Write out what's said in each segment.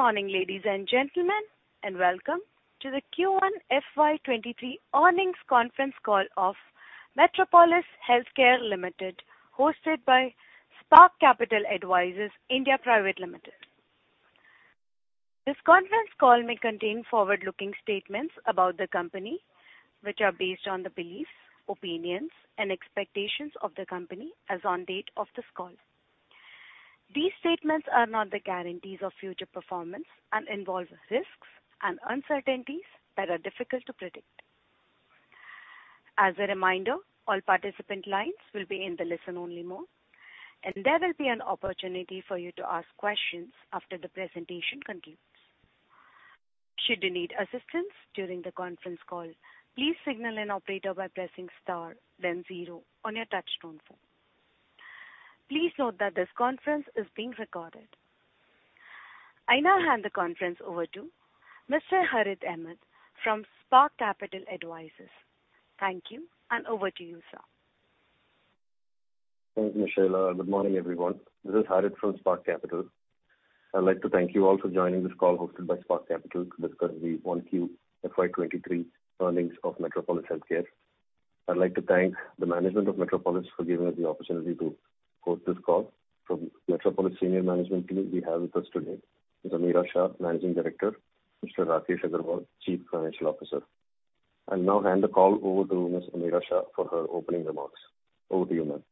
Good morning, ladies and gentlemen, and welcome to the Q1 FY 2023 earnings conference call of Metropolis Healthcare Limited, hosted by Spark Capital Advisors (India) Private Limited. This conference call may contain forward-looking statements about the company, which are based on the beliefs, opinions, and expectations of the company as on date of this call. These statements are not the guarantees of future performance and involve risks and uncertainties that are difficult to predict. As a reminder, all participant lines will be in the listen-only mode, and there will be an opportunity for you to ask questions after the presentation concludes. Should you need assistance during the conference call, please signal an operator by pressing star, then zero on your touch-tone phone. Please note that this conference is being recorded. I now hand the conference over to Mr. Harith Ahamed from Spark Capital Advisors. Thank you, and over to you, sir. Thank you, Michelle. Good morning, everyone. This is Harith from Spark Capital. I'd like to thank you all for joining this call hosted by Spark Capital to discuss the Q1 FY 2023 earnings of Metropolis Healthcare. I'd like to thank the management of Metropolis for giving us the opportunity to host this call. From Metropolis' senior management team, we have with us today Ameera Shah, Managing Director. Mr. Rakesh Agarwal, Chief Financial Officer. I'll now hand the call over to Ms. Ameera Shah for her opening remarks. Over to you, ma'am.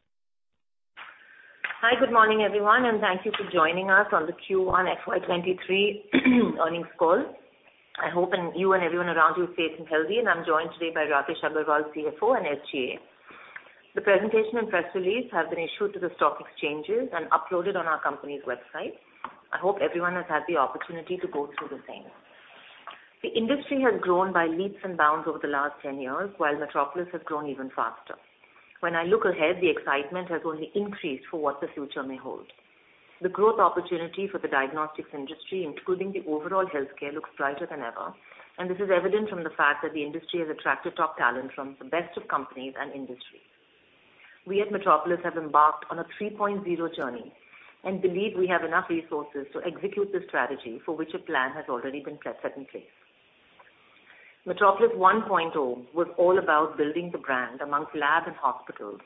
Hi, good morning, everyone, and thank you for joining us on the Q1 FY 2023 earnings call. I hope you and everyone around you are safe and healthy, and I'm joined today by Rakesh Agarwal, CFO and SGA. The presentation and press release have been issued to the stock exchanges and uploaded on our company's website. I hope everyone has had the opportunity to go through the same. The industry has grown by leaps and bounds over the last 10 years, while Metropolis has grown even faster. When I look ahead, the excitement has only increased for what the future may hold. The growth opportunity for the diagnostics industry, including the overall healthcare, looks brighter than ever, and this is evident from the fact that the industry has attracted top talent from the best of companies and industries. We at Metropolis have embarked on a 3.0 journey and believe we have enough resources to execute the strategy for which a plan has already been set in place. Metropolis 1.0 was all about building the brand among labs and hospitals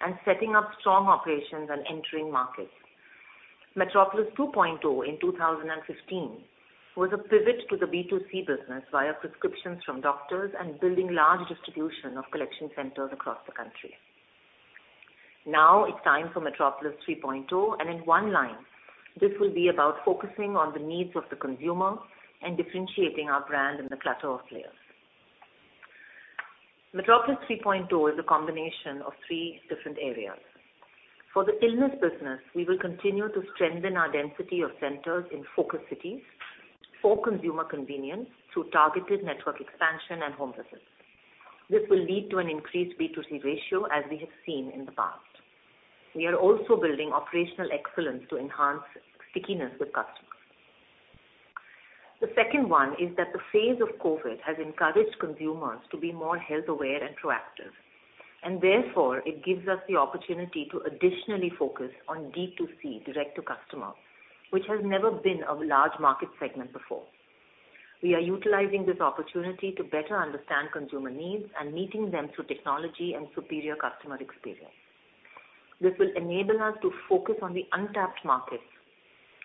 and setting up strong operations and entering markets. Metropolis 2.0 in 2015 was a pivot to the B2C business via prescriptions from doctors and building large distribution of collection centers across the country. Now it's time for Metropolis 3.0, and in one line, this will be about focusing on the needs of the consumer and differentiating our brand in the clutter of players. Metropolis 3.0 is a combination of three different areas. For the illness business, we will continue to strengthen our density of centers in focus cities for consumer convenience through targeted network expansion and home visits. This will lead to an increased B2C ratio as we have seen in the past. We are also building operational excellence to enhance stickiness with customers. The second one is that the phase of COVID has encouraged consumers to be more health aware and proactive, and therefore it gives us the opportunity to additionally focus on D2C direct to customers, which has never been a large market segment before. We are utilizing this opportunity to better understand consumer needs and meeting them through technology and superior customer experience. This will enable us to focus on the untapped markets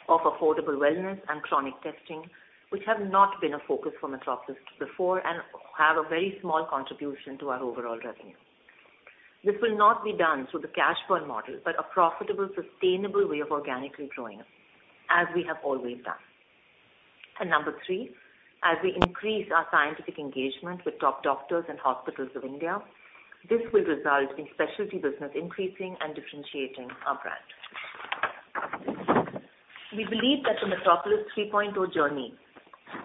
of affordable wellness and chronic testing, which have not been a focus for Metropolis before and have a very small contribution to our overall revenue. This will not be done through the cash burn model, but a profitable, sustainable way of organically growing as we have always done. Number three, as we increase our scientific engagement with top doctors and hospitals of India, this will result in specialty business increasing and differentiating our brand. We believe that the Metropolis 3.0 journey,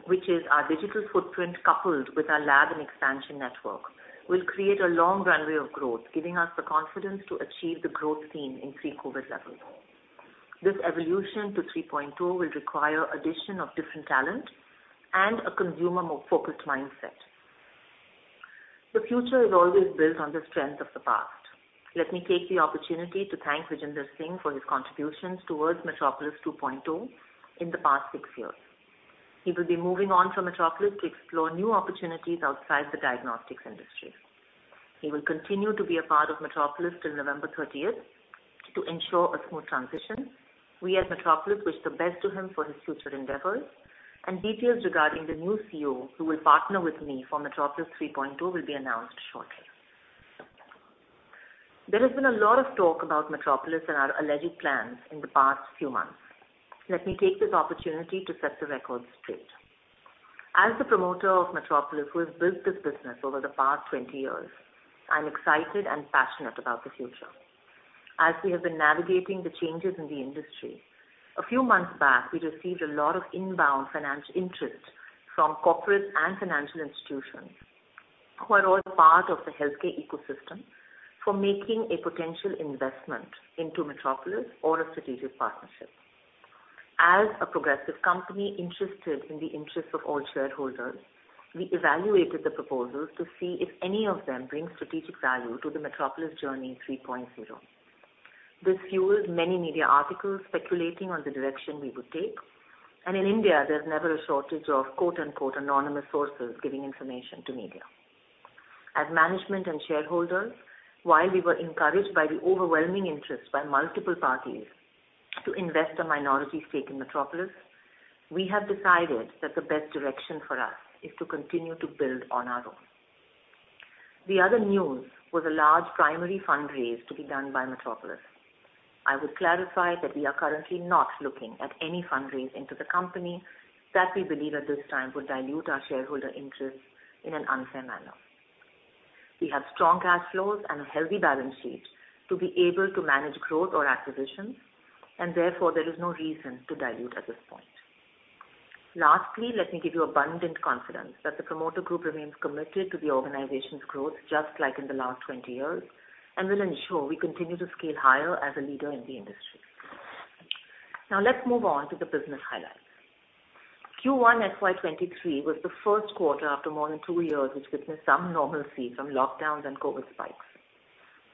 which is our digital footprint coupled with our lab and expansion network, will create a long runway of growth, giving us the confidence to achieve the growth theme in pre-COVID levels. This evolution to 3.0 will require the addition of different talent and a consumer-focused mindset. The future is always built on the strength of the past. Let me take the opportunity to thank Vijender Singh for his contributions towards Metropolis 2.0 in the past six years. He will be moving on from Metropolis to explore new opportunities outside the diagnostics industry. He will continue to be a part of Metropolis till November 30th to ensure a smooth transition. We at Metropolis wish the best to him for his future endeavors, and details regarding the new CEO who will partner with me for Metropolis 3.0 will be announced shortly. There has been a lot of talk about Metropolis and our alleged plans in the past few months. Let me take this opportunity to set the record straight. As the promoter of Metropolis, who has built this business over the past 20 years, I'm excited and passionate about the future. As we have been navigating the changes in the industry, a few months back, we received a lot of inbound financial interest from corporate and financial institutions who are all part of the healthcare ecosystem for making a potential investment into Metropolis or a strategic partnership. As a progressive company interested in the interests of all shareholders, we evaluated the proposals to see if any of them bring strategic value to the Metropolis 3.0. This fueled many media articles speculating on the direction we would take, and in India, there's never a shortage of "anonymous sources" giving information to media. As management and shareholders, while we were encouraged by the overwhelming interest by multiple parties to invest a minority stake in Metropolis, we have decided that the best direction for us is to continue to build on our own. The other news was a large primary fundraise to be done by Metropolis. I would clarify that we are currently not looking at any fundraise into the company that we believe at this time would dilute our shareholder interests in an unfair manner. We have strong cash flows and a healthy balance sheet to be able to manage growth or acquisitions, and therefore there is no reason to dilute at this point. Lastly, let me give you abundant confidence that the promoter group remains committed to the organization's growth just like in the last 20 years and will ensure we continue to scale higher as a leader in the industry. Now let's move on to the business highlights. Q1 FY 2023 was the first quarter after more than two years which witnessed some normalcy from lockdowns and COVID spikes.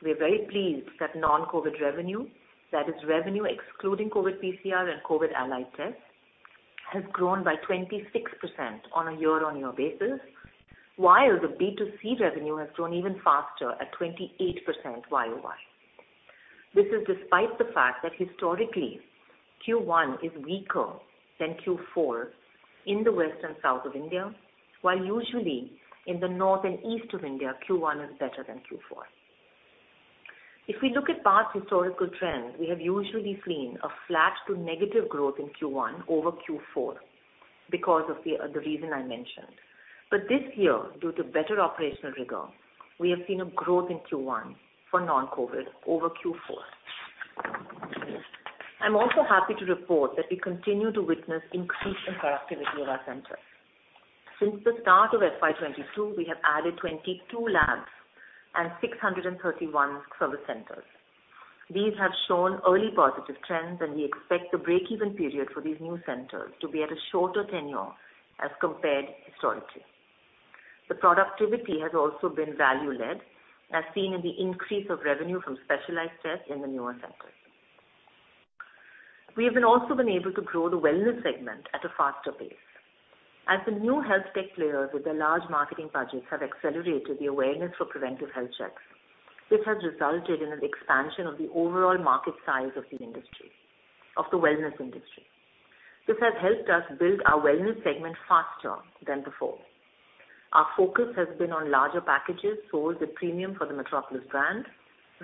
We are very pleased that non-COVID revenue, that is revenue excluding COVID PCR and COVID allied tests, has grown by 26% on a year-on-year basis, while the B2C revenue has grown even faster at 28% YoY. This is despite the fact that historically Q1 is weaker than Q4 in the west and south of India, while usually in the north and east of India, Q1 is better than Q4. If we look at past historical trends, we have usually seen a flat to negative growth in Q1 over Q4 because of the reason I mentioned, but this year, due to better operational rigor, we have seen a growth in Q1 for non-COVID over Q4. I'm also happy to report that we continue to witness increased interactivity of our centers. Since the start of FY 2022, we have added 22 labs and 631 service centers. These have shown early positive trends, and we expect the break-even period for these new centers to be at a shorter tenure as compared historically. The productivity has also been value-led, as seen in the increase of revenue from specialized tests in the newer centers. We have also been able to grow the wellness segment at a faster pace. As the new health tech players with their large marketing budgets have accelerated the awareness for preventive health checks, this has resulted in an expansion of the overall market size of the industry, of the wellness industry. This has helped us build our wellness segment faster than before. Our focus has been on larger packages sold with premium for the Metropolis brand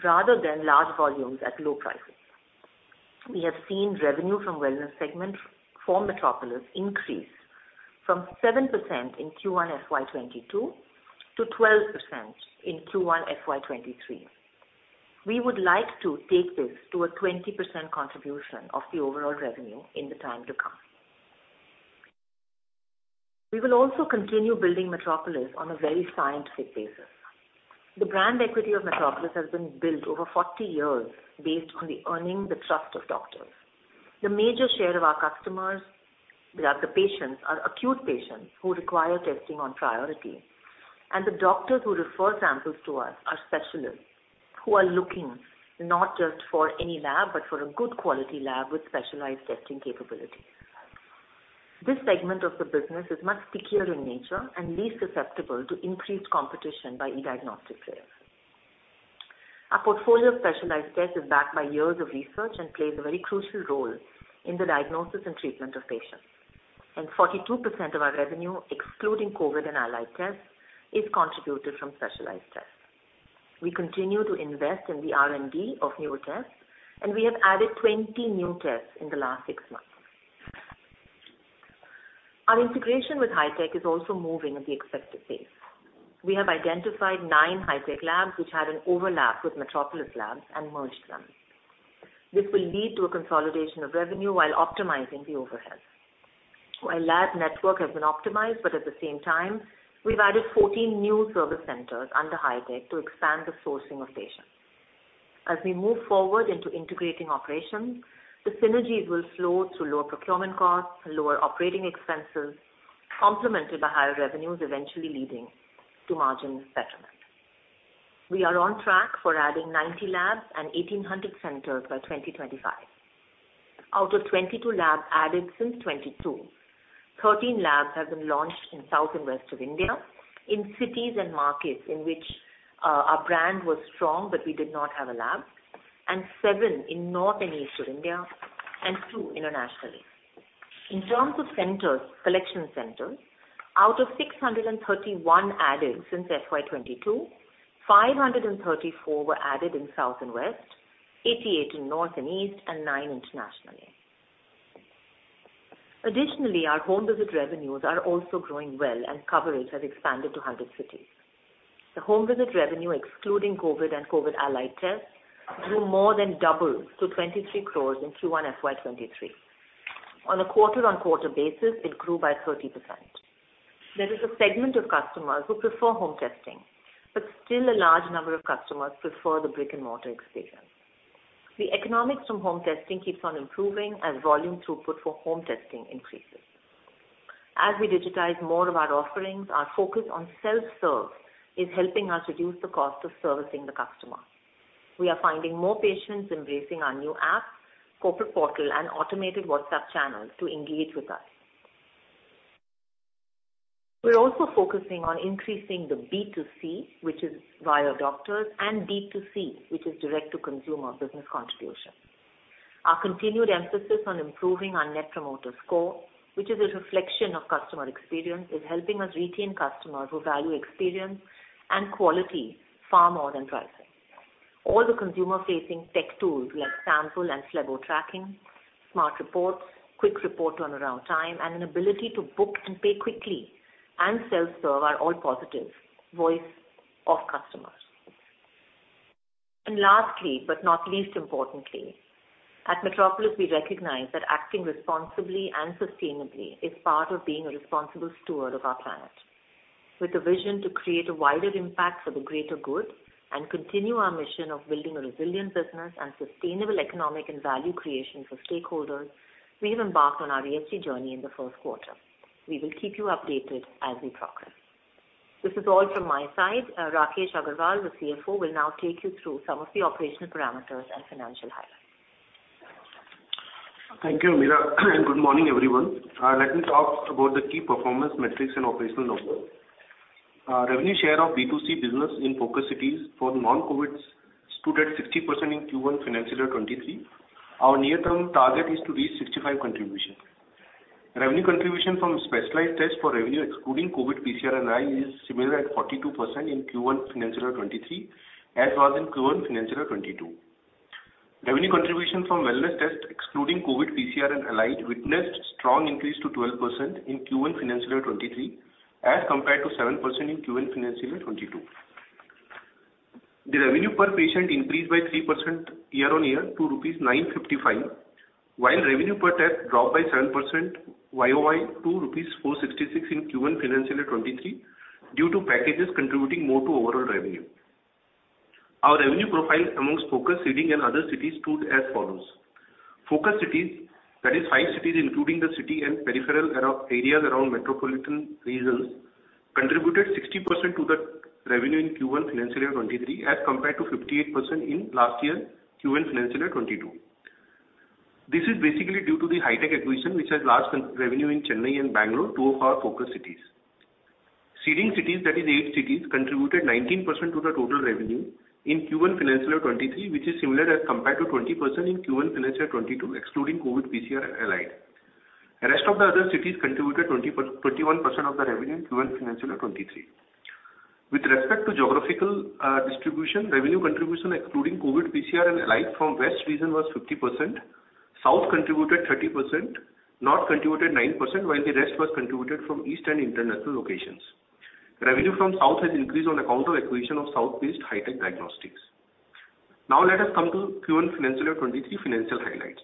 rather than large volumes at low prices. We have seen revenue from the wellness segment for Metropolis increase from 7% in Q1 FY 2022 to 12% in Q1 FY 2023. We would like to take this to a 20% contribution of the overall revenue in the time to come. We will also continue building Metropolis on a very scientific basis. The brand equity of Metropolis has been built over 40 years based on earning the trust of doctors. The major share of our customers, the patients, are acute patients who require testing on priority, and the doctors who refer samples to us are specialists who are looking not just for any lab, but for a good quality lab with specialized testing capabilities. This segment of the business is much stickier in nature and least susceptible to increased competition by e-diagnostic players. Our portfolio of specialized tests is backed by years of research and plays a very crucial role in the diagnosis and treatment of patients, and 42% of our revenue, excluding COVID and allied tests, is contributed from specialized tests. We continue to invest in the R&D of newer tests, and we have added 20 new tests in the last six months. Our integration with Hitech is also moving at the expected pace. We have identified nine Hitech labs which had an overlap with Metropolis labs and merged them. This will lead to a consolidation of revenue while optimizing the overhead. Our lab network has been optimized, but at the same time, we've added 14 new service centers under Hitech to expand the sourcing of patients. As we move forward into integrating operations, the synergies will flow through lower procurement costs, lower operating expenses, complemented by higher revenues eventually leading to margin betterment. We are on track for adding 90 labs and 1,800 centers by 2025. Out of 22 labs added since 2022, 13 labs have been launched in South and West of India, in cities and markets in which our brand was strong, but we did not have a lab, and seven in North and East of India, and two internationally. In terms of collection centers, out of 631 added since FY 2022, 534 were added in South and West, 88 in North and East, and nine internationally. Additionally, our home visit revenues are also growing well, and coverage has expanded to 100 cities. The home visit revenue, excluding COVID and COVID allied tests, grew more than double to 23 crores in Q1 FY 2023. On a quarter-on-quarter basis, it grew by 30%. There is a segment of customers who prefer home testing, but still a large number of customers prefer the brick-and-mortar experience. The economics from home testing keeps on improving as volume throughput for home testing increases. As we digitize more of our offerings, our focus on self-serve is helping us reduce the cost of servicing the customer. We are finding more patients embracing our new app, corporate portal, and automated WhatsApp channels to engage with us. We're also focusing on increasing the B2C, which is via doctors, and D2C, which is direct-to-consumer business contribution. Our continued emphasis on improving our Net Promoter Score, which is a reflection of customer experience, is helping us retain customers who value experience and quality far more than price. All the consumer-facing tech tools like sample and lab report tracking, Smart Reports, quick report turnaround time, and an ability to book and pay quickly and self-serve are all positive voices of customers. Lastly, but not least importantly, at Metropolis, we recognize that acting responsibly and sustainably is part of being a responsible steward of our planet. With the vision to create a wider impact for the greater good and continue our mission of building a resilient business and sustainable economic and value creation for stakeholders, we have embarked on our ESG journey in the first quarter. We will keep you updated as we progress. This is all from my side. Rakesh Agarwal, the CFO, will now take you through some of the operational parameters and financial highlights. Thank you, Ameera, and good morning, everyone. Let me talk about the key performance metrics and operational numbers. Revenue share of B2C business in focus cities for non-COVID stood at 60% in Q1 financial year 2023. Our near-term target is to reach 65 contributions. Revenue contribution from specialized tests for revenue, excluding COVID PCR and allied, is similar at 42% in Q1 financial year 2023, as was in Q1 financial year 2022. Revenue contribution from wellness tests, excluding COVID PCR and allied, witnessed a strong increase to 12% in Q1 financial year 2023, as compared to 7% in Q1 financial year 2022. The revenue per patient increased by 3% year-on-year to rupees 955, while revenue per test dropped by 7% YoY to rupees 466 in Q1 financial year 2023 due to packages contributing more to overall revenue. Our revenue profile among focus cities and other cities stood as follows. Focus cities, that is five cities including the city and peripheral areas around metropolitan regions, contributed 60% to the revenue in Q1 financial year 2023, as compared to 58% in last year Q1 financial year 2022. This is basically due to the Hitech acquisition, which has large revenue in Chennai and Bangalore, two of our focus cities. Seeding cities, that is eight cities, contributed 19% to the total revenue in Q1 financial year 2023, which is similar as compared to 20% in Q1 financial year 2022, excluding COVID PCR and allied. The rest of the other cities contributed 21% of the revenue in Q1 financial year 2023. With respect to geographical distribution, revenue contribution, excluding COVID PCR and allied, from west region was 50%. South contributed 30%, north contributed 9%, while the rest was contributed from east and international locations. Revenue from south has increased on account of acquisition of south-based Hitech Diagnostics. Now let us come to Q1 financial year 2023 financial highlights.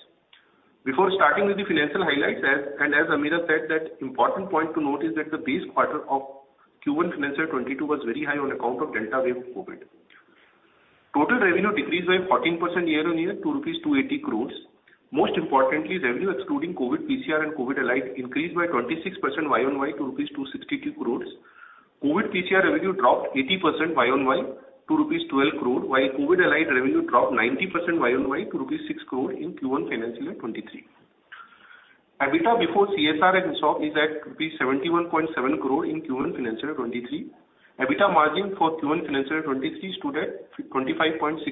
Before starting with the financial highlights, and as Ameera said, that important point to note is that the base quarter of Q1 financial year 2022 was very high on account of Delta wave of COVID. Total revenue decreased by 14% year-on-year to rupees 280 crores. Most importantly, revenue excluding COVID PCR and COVID allied increased by 26% YoY to rupees 262 crores. COVID PCR revenue dropped 80% YoY to rupees 12 crore, while COVID allied revenue dropped 90% YoY to rupees 6 crore in Q1 financial year 2023. EBITDA before CSR and ESOP is at INR 71.7 crore in Q1 financial year 2023. EBITDA margin for Q1 financial year 2023 stood at 25.6%.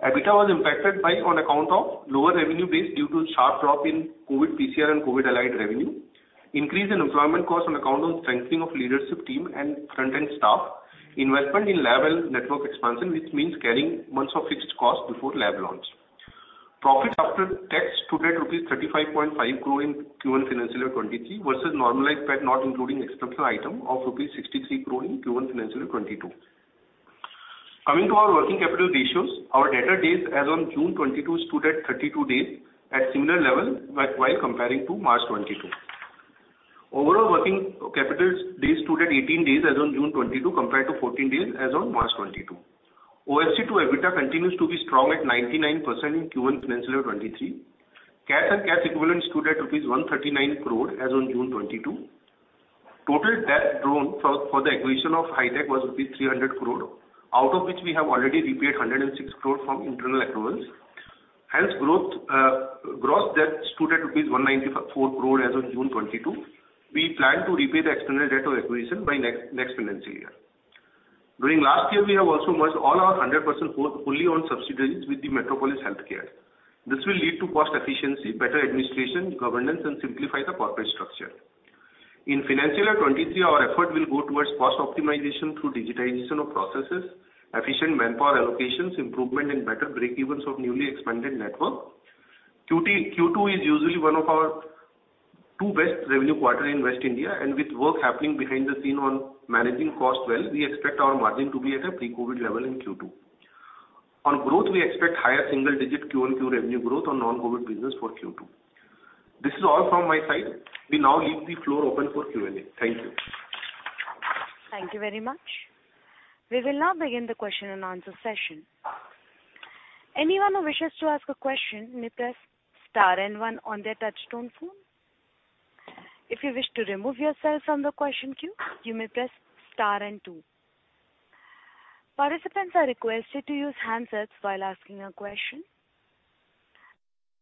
EBITDA was impacted by, on account of lower revenue base due to sharp drop in COVID PCR and COVID allied revenue, increase in employment cost on account of strengthening of leadership team and front-end staff, investment in lab and network expansion, which means carrying months of fixed cost before lab launch. Profit after tax stood at rupees 35.5 crore in Q1 financial year 2023 versus normalized PAT, not including exceptional item of rupees 63 crore in Q1 financial year 2022. Coming to our working capital ratios, our debtor days as of June 2022 stood at 32 days at similar level while comparing to March 2022. Overall working capital days stood at 18 days as of June 2022 compared to 14 days as of March 2022. OCF to EBITDA continues to be strong at 99% in Q1 financial year 2023. Cash and cash equivalent stood at rupees 139 crore as of June 2022. Total debt drawn for the acquisition of Hitech was rupees 300 crore, out of which we have already repaid 106 crore from internal accruals. Hence, gross debt stood at 194 crore as of June 2022. We plan to repay the external debt of acquisition by next financial year. During last year, we have also merged all our 100% wholly owned subsidiaries with the Metropolis Healthcare. This will lead to cost efficiency, better administration, governance, and simplify the corporate structure. In financial year 2023, our effort will go towards cost optimization through digitization of processes, efficient manpower allocations, improvement in better break-evens of newly expanded network. Q2 is usually one of our two best revenue quarters in West India, and with work happening behind the scenes on managing costs well, we expect our margin to be at a pre-COVID level in Q2. On growth, we expect higher single-digit QoQ revenue growth on non-COVID business for Q2. This is all from my side. We now leave the floor open for Q&A. Thank you. Thank you very much. We will now begin the question and answer session. Anyone who wishes to ask a question may press star and one on their touch-tone phone. If you wish to remove yourself from the question queue, you may press star and two. Participants are requested to use handsets while asking a question.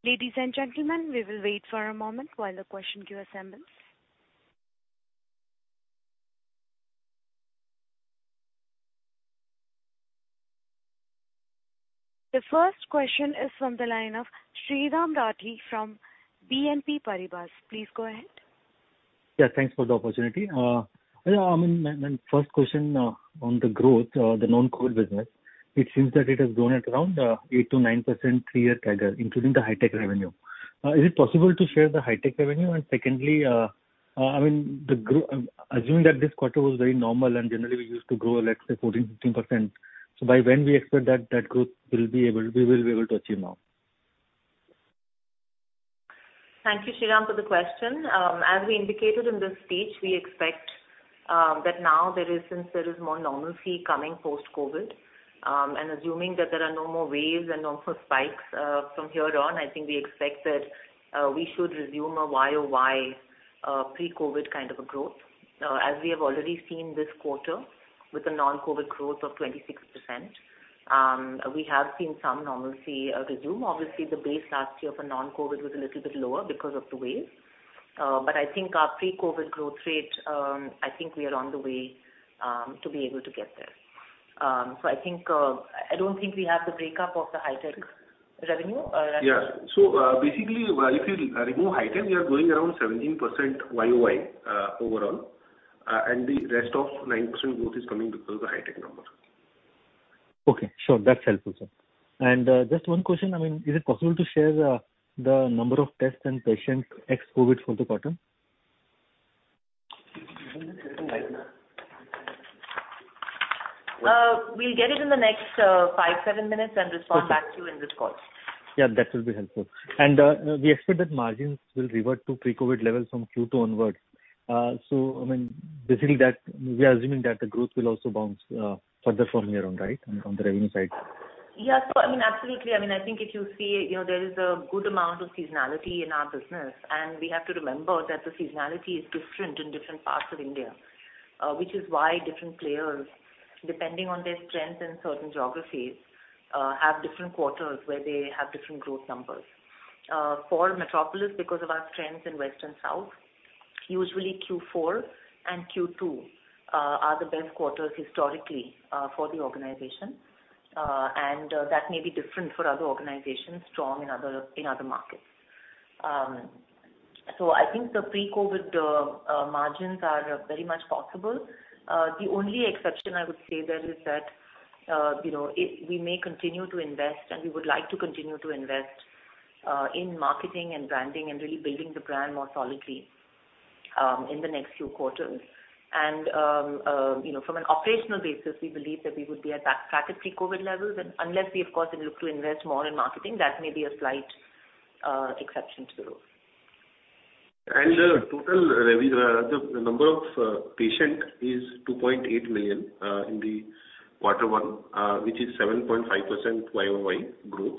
Ladies and gentlemen, we will wait for a moment while the question queue assembles. The first question is from the line of Sriraam Rathi from BNP Paribas. Please go ahead. Yeah, thanks for the opportunity. I mean, my first question on the growth, the non-COVID business, it seems that it has grown at around 8%-9% three-year CAGR, including the Hitech revenue. Is it possible to share the Hitech revenue? And secondly, I mean, assuming that this quarter was very normal and generally we used to grow at, say, 14%-15%, so by when we expect that growth we will be able to achieve now? Thank you, Sriraam, for the question. As we indicated in this speech, we expect that now there is, since there is more normalcy coming post-COVID, and assuming that there are no more waves and no more spikes from here on, I think we expect that we should resume a YoY pre-COVID kind of a growth. As we have already seen this quarter with a non-COVID growth of 26%, we have seen some normalcy resume. Obviously, the base last year for non-COVID was a little bit lower because of the wave. But I think our pre-COVID growth rate, I think we are on the way to be able to get there. So I don't think we have the breakup of the Hitech revenue. Yeah. So basically, if you remove Hitech, we are going around 17% YoY overall, and the rest of nine% growth is coming because of the Hitech number. Okay. Sure. That's helpful, sir. And just one question, I mean, is it possible to share the number of tests and patients ex-COVID for the quarter? We'll get it in the next five, seven minutes and respond back to you in this call. Yeah, that will be helpful. And we expect that margins will revert to pre-COVID levels from Q2 onwards. So I mean, basically, we are assuming that the growth will also bounce further from here on, right, on the revenue side? Yeah. So I mean, absolutely. I mean, I think if you see there is a good amount of seasonality in our business, and we have to remember that the seasonality is different in different parts of India, which is why different players, depending on their strength in certain geographies, have different quarters where they have different growth numbers. For Metropolis, because of our strength in West and South, usually Q4 and Q2 are the best quarters historically for the organization, and that may be different for other organizations strong in other markets. So I think the pre-COVID margins are very much possible. The only exception I would say there is that we may continue to invest, and we would like to continue to invest in marketing and branding and really building the brand more solidly in the next few quarters. From an operational basis, we believe that we would be back at pre-COVID levels, and unless we, of course, look to invest more in marketing, that may be a slight exception to the rule. And the total revenue, the number of patients is 2.8 million in quarter one, which is 7.5% YoY growth.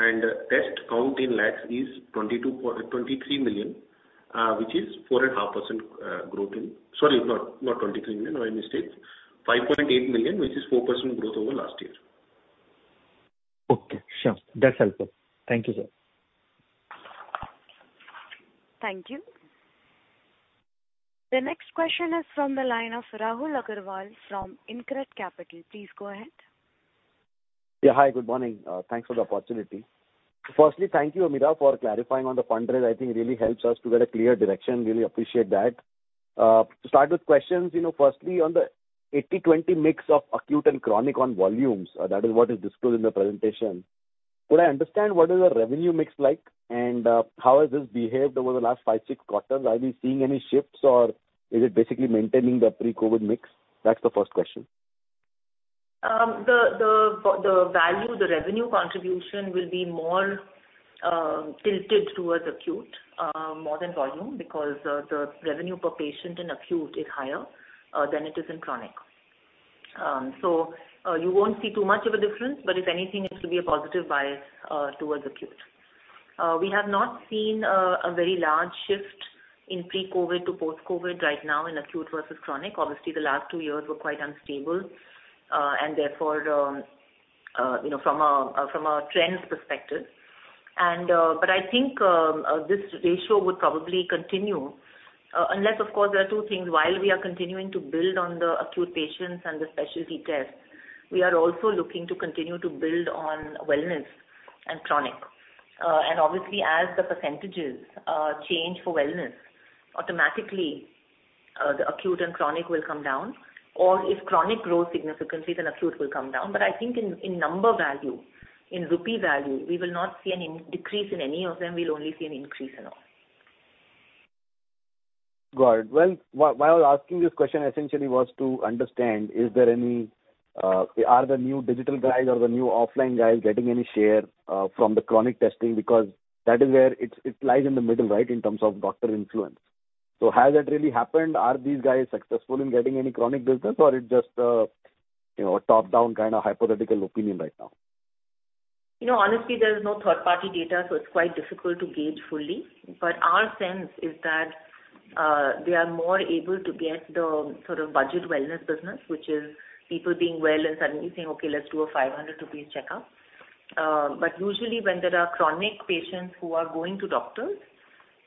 And test count in labs is 23 million, which is 4.5% growth, sorry, not 23 million, my mistake, 5.8 million, which is 4% growth over last year. Okay. Sure. That's helpful. Thank you, sir. Thank you. The next question is from the line of Rahul Agarwal from InCred Capital. Please go ahead. Yeah. Hi, good morning. Thanks for the opportunity. Firstly, thank you, Ameera, for clarifying on the fundraise. I think it really helps us to get a clear direction. Really appreciate that. To start with questions, firstly, on the 80/20 mix of acute and chronic on volumes, that is what is disclosed in the presentation. Could I understand what is the revenue mix like, and how has this behaved over the last five, six quarters? Are we seeing any shifts, or is it basically maintaining the pre-COVID mix? That's the first question. The value, the revenue contribution will be more tilted towards acute, more than volume, because the revenue per patient in acute is higher than it is in chronic. So you won't see too much of a difference, but if anything, it could be a positive bias towards acute. We have not seen a very large shift in pre-COVID to post-COVID right now in acute versus chronic. Obviously, the last two years were quite unstable, and therefore from a trend perspective. But I think this ratio would probably continue, unless, of course, there are two things. While we are continuing to build on the acute patients and the specialized tests, we are also looking to continue to build on wellness and chronic. And obviously, as the percentages change for wellness, automatically the acute and chronic will come down, or if chronic grows significantly, then acute will come down. But I think in number value, in rupee value, we will not see any decrease in any of them. We'll only see an increase in all. Got it. Well, while asking this question, essentially was to understand, is there any, are the new digital guys or the new offline guys getting any share from the chronic testing? Because that is where it lies in the middle, right, in terms of doctor influence. So has that really happened? Are these guys successful in getting any chronic business, or it's just a top-down kind of hypothetical opinion right now? Honestly, there is no third-party data, so it's quite difficult to gauge fully. But our sense is that they are more able to get the sort of budget wellness business, which is people being well and suddenly saying, "Okay, let's do a 500 rupees checkup." But usually when there are chronic patients who are going to doctors,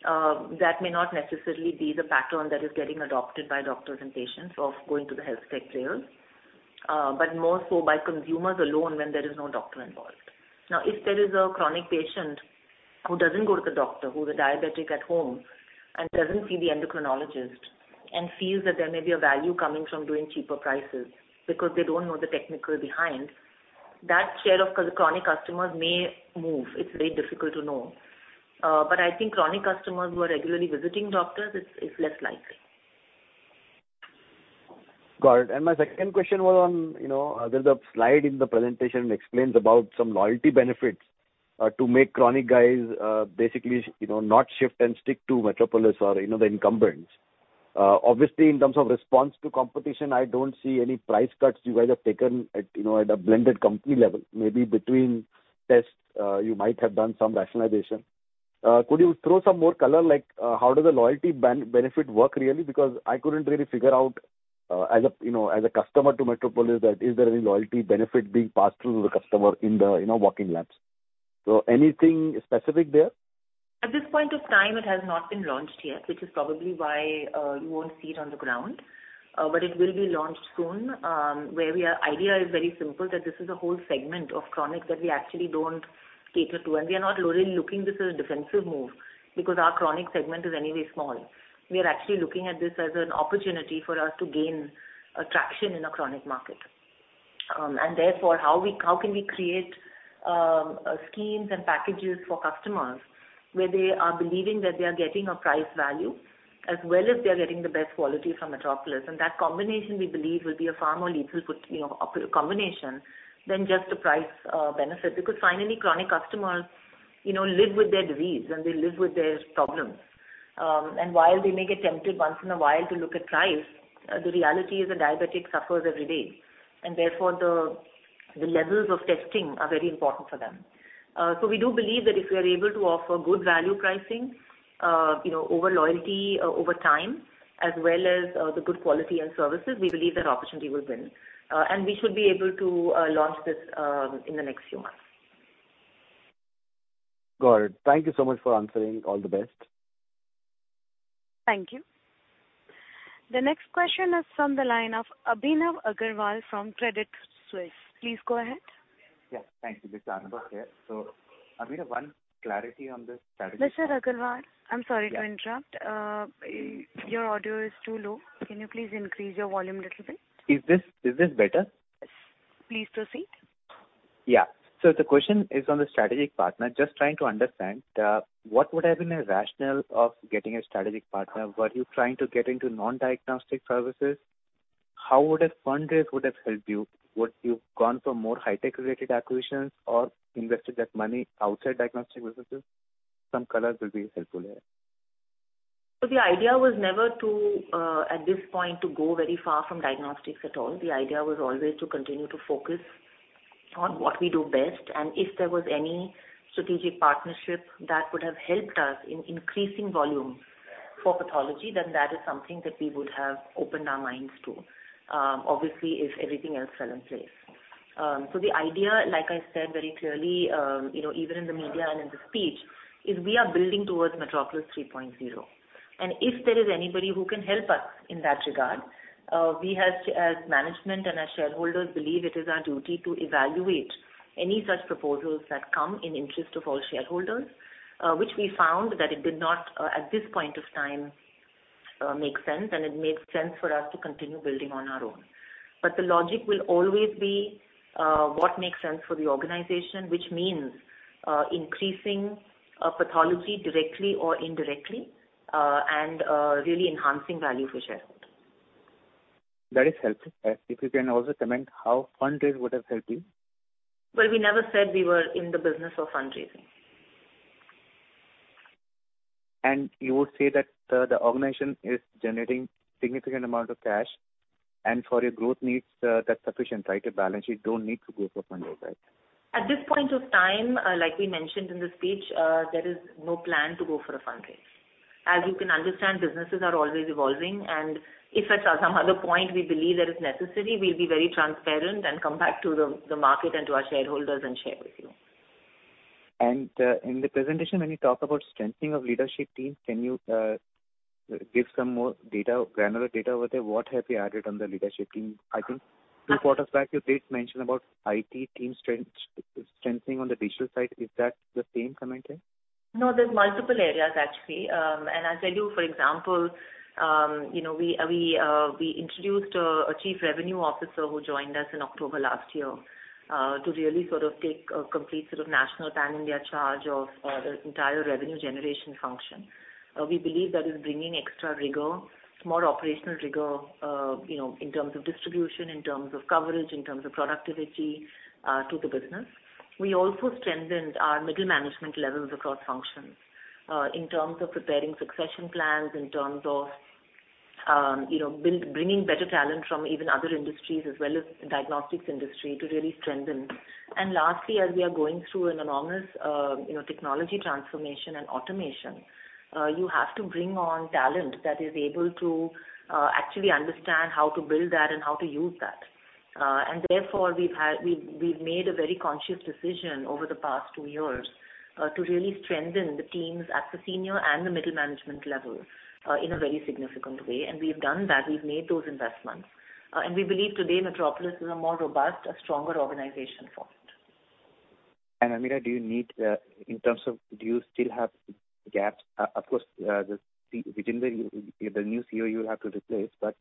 that may not necessarily be the pattern that is getting adopted by doctors and patients of going to the healthcare players, but more so by consumers alone when there is no doctor involved. Now, if there is a chronic patient who doesn't go to the doctor, who's a diabetic at home and doesn't see the endocrinologist and feels that there may be a value coming from doing cheaper prices because they don't know the technical behind, that share of chronic customers may move. It's very difficult to know. But I think chronic customers who are regularly visiting doctors, it's less likely. Got it. And my second question was on, there's a slide in the presentation that explains about some loyalty benefits to make chronic guys basically not shift and stick to Metropolis or the incumbents. Obviously, in terms of response to competition, I don't see any price cuts you guys have taken at a blended company level. Maybe between tests, you might have done some rationalization. Could you throw some more color? How does the loyalty benefit work really? Because I couldn't really figure out as a customer to Metropolis that is there any loyalty benefit being passed through the customer in the walk-in labs? So anything specific there? At this point of time, it has not been launched yet, which is probably why you won't see it on the ground. But it will be launched soon. The idea is very simple that this is a whole segment of chronic that we actually don't cater to. And we are not really looking at this as a defensive move because our chronic segment is anyway small. We are actually looking at this as an opportunity for us to gain traction in a chronic market. And therefore, how can we create schemes and packages for customers where they are believing that they are getting a price value as well as they are getting the best quality from Metropolis? And that combination, we believe, will be a far more lethal combination than just a price benefit. Because finally, chronic customers live with their disease and they live with their problems. And while they may get tempted once in a while to look at price, the reality is a diabetic suffers every day. And therefore, the levels of testing are very important for them. So we do believe that if we are able to offer good value pricing over loyalty over time as well as the good quality and services, we believe that opportunity will win. And we should be able to launch this in the next few months. Got it. Thank you so much for answering. All the best. Thank you. The next question is from the line of Anubhav Agarwal from Credit Suisse. Please go ahead. Yeah. Thank you. This is Ameera Shah. So Ameera, one clarity on this strategy. Mr. Agarwal, I'm sorry to interrupt. Your audio is too low. Can you please increase your volume a little bit? Is this better? Yes. Please proceed. Yeah. So the question is on the strategic partner. Just trying to understand, what would have been a rationale of getting a strategic partner? Were you trying to get into non-diagnostic services? How would a fundraiser have helped you? Would you have gone for more high-tech-related acquisitions or invested that money outside diagnostic businesses? Some colors will be helpful here. So the idea was never to, at this point, go very far from diagnostics at all. The idea was always to continue to focus on what we do best. And if there was any strategic partnership that would have helped us in increasing volume for pathology, then that is something that we would have opened our minds to, obviously, if everything else fell in place. So the idea, like I said very clearly, even in the media and in the speech, is we are building towards Metropolis 3.0. And if there is anybody who can help us in that regard, we as management and as shareholders believe it is our duty to evaluate any such proposals that come in interest of all shareholders, which we found that it did not, at this point of time, make sense, and it made sense for us to continue building on our own. But the logic will always be what makes sense for the organization, which means increasing pathology directly or indirectly and really enhancing value for shareholders. That is helpful. If you can also comment, how the fundraise would have helped you? We never said we were in the business of fundraising. And you would say that the organization is generating a significant amount of cash, and for your growth needs, that's sufficient, right? A balance sheet don't need to go for fundraise, right? At this point of time, like we mentioned in the speech, there is no plan to go for a fundraise. As you can understand, businesses are always evolving, and if at some other point we believe that it's necessary, we'll be very transparent and come back to the market and to our shareholders and share with you. In the presentation, when you talk about strengthening of leadership teams, can you give some more data, granular data over there? What have you added on the leadership team? I think two quarters back, you did mention about IT team strengthening on the digital side. Is that the same comment here? No, there's multiple areas, actually, and as I do, for example, we introduced a chief revenue officer who joined us in October last year to really sort of take a complete sort of national pan-India charge of the entire revenue generation function. We believe that is bringing extra rigor, more operational rigor in terms of distribution, in terms of coverage, in terms of productivity to the business. We also strengthened our middle management levels across functions in terms of preparing succession plans, in terms of bringing better talent from even other industries as well as the diagnostics industry to really strengthen, and lastly, as we are going through an enormous technology transformation and automation, you have to bring on talent that is able to actually understand how to build that and how to use that. Therefore, we've made a very conscious decision over the past two years to really strengthen the teams at the senior and the middle management level in a very significant way. We've done that. We've made those investments. We believe today Metropolis is a more robust, a stronger organization for it. Ameera, do you need, in terms of, do you still have gaps? Of course, within the new CEO, you will have to replace, but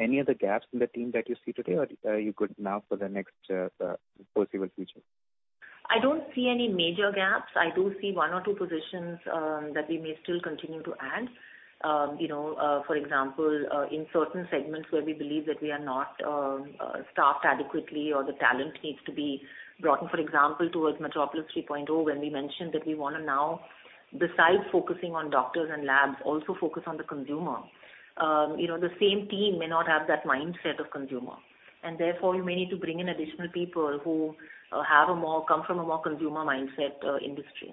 any other gaps in the team that you see today or you could now for the next foreseeable future? I don't see any major gaps. I do see one or two positions that we may still continue to add. For example, in certain segments where we believe that we are not staffed adequately or the talent needs to be brought in. For example, towards Metropolis 3.0, when we mentioned that we want to now, besides focusing on doctors and labs, also focus on the consumer. The same team may not have that mindset of consumer. And therefore, you may need to bring in additional people who have come from a more consumer mindset industry.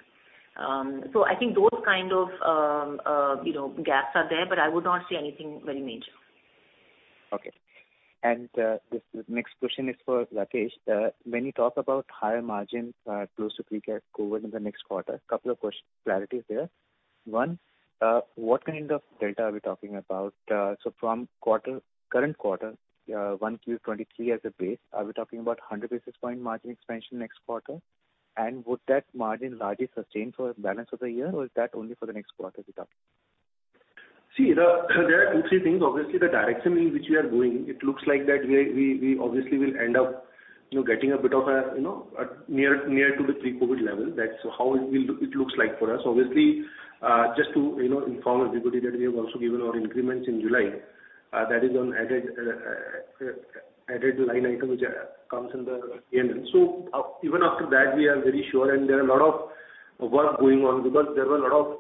So I think those kind of gaps are there, but I would not see anything very major. Okay. And the next question is for Rakesh. When you talk about higher margin close to pre-COVID in the next quarter, a couple of clarities there. One, what kind of Delta are we talking about? So from current quarter, 1Q23 as a base, are we talking about 100 basis point margin expansion next quarter? And would that margin largely sustain for the balance of the year, or is that only for the next quarter we're talking? See, there are two things. Obviously, the direction in which we are going, it looks like that we obviously will end up getting a bit nearer to the pre-COVID level. That's how it looks like for us. Obviously, just to inform everybody that we have also given our increments in July. That is an added line item which comes in the P&L. So even after that, we are very sure, and there are a lot of work going on because there were a lot of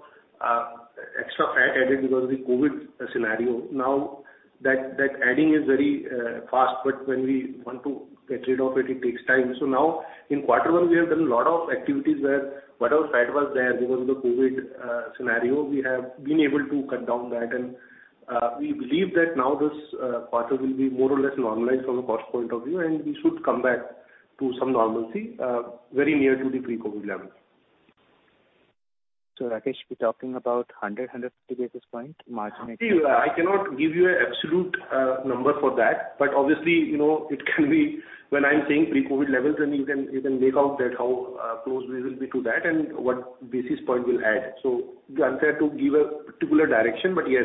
extra fat added because of the COVID scenario. Now, that adding is very fast, but when we want to get rid of it, it takes time. So now, in quarter one, we have done a lot of activities where whatever fat was there because of the COVID scenario, we have been able to cut down that. We believe that now this quarter will be more or less normalized from a cost point of view, and we should come back to some normalcy very near to the pre-COVID level. So, Rakesh, we're talking about 100-150 basis points margin? See, I cannot give you an absolute number for that, but obviously, it can be when I'm saying pre-COVID levels, then you can make out how close we will be to that and what basis point we'll add. So I'm trying to give a particular direction, but yes.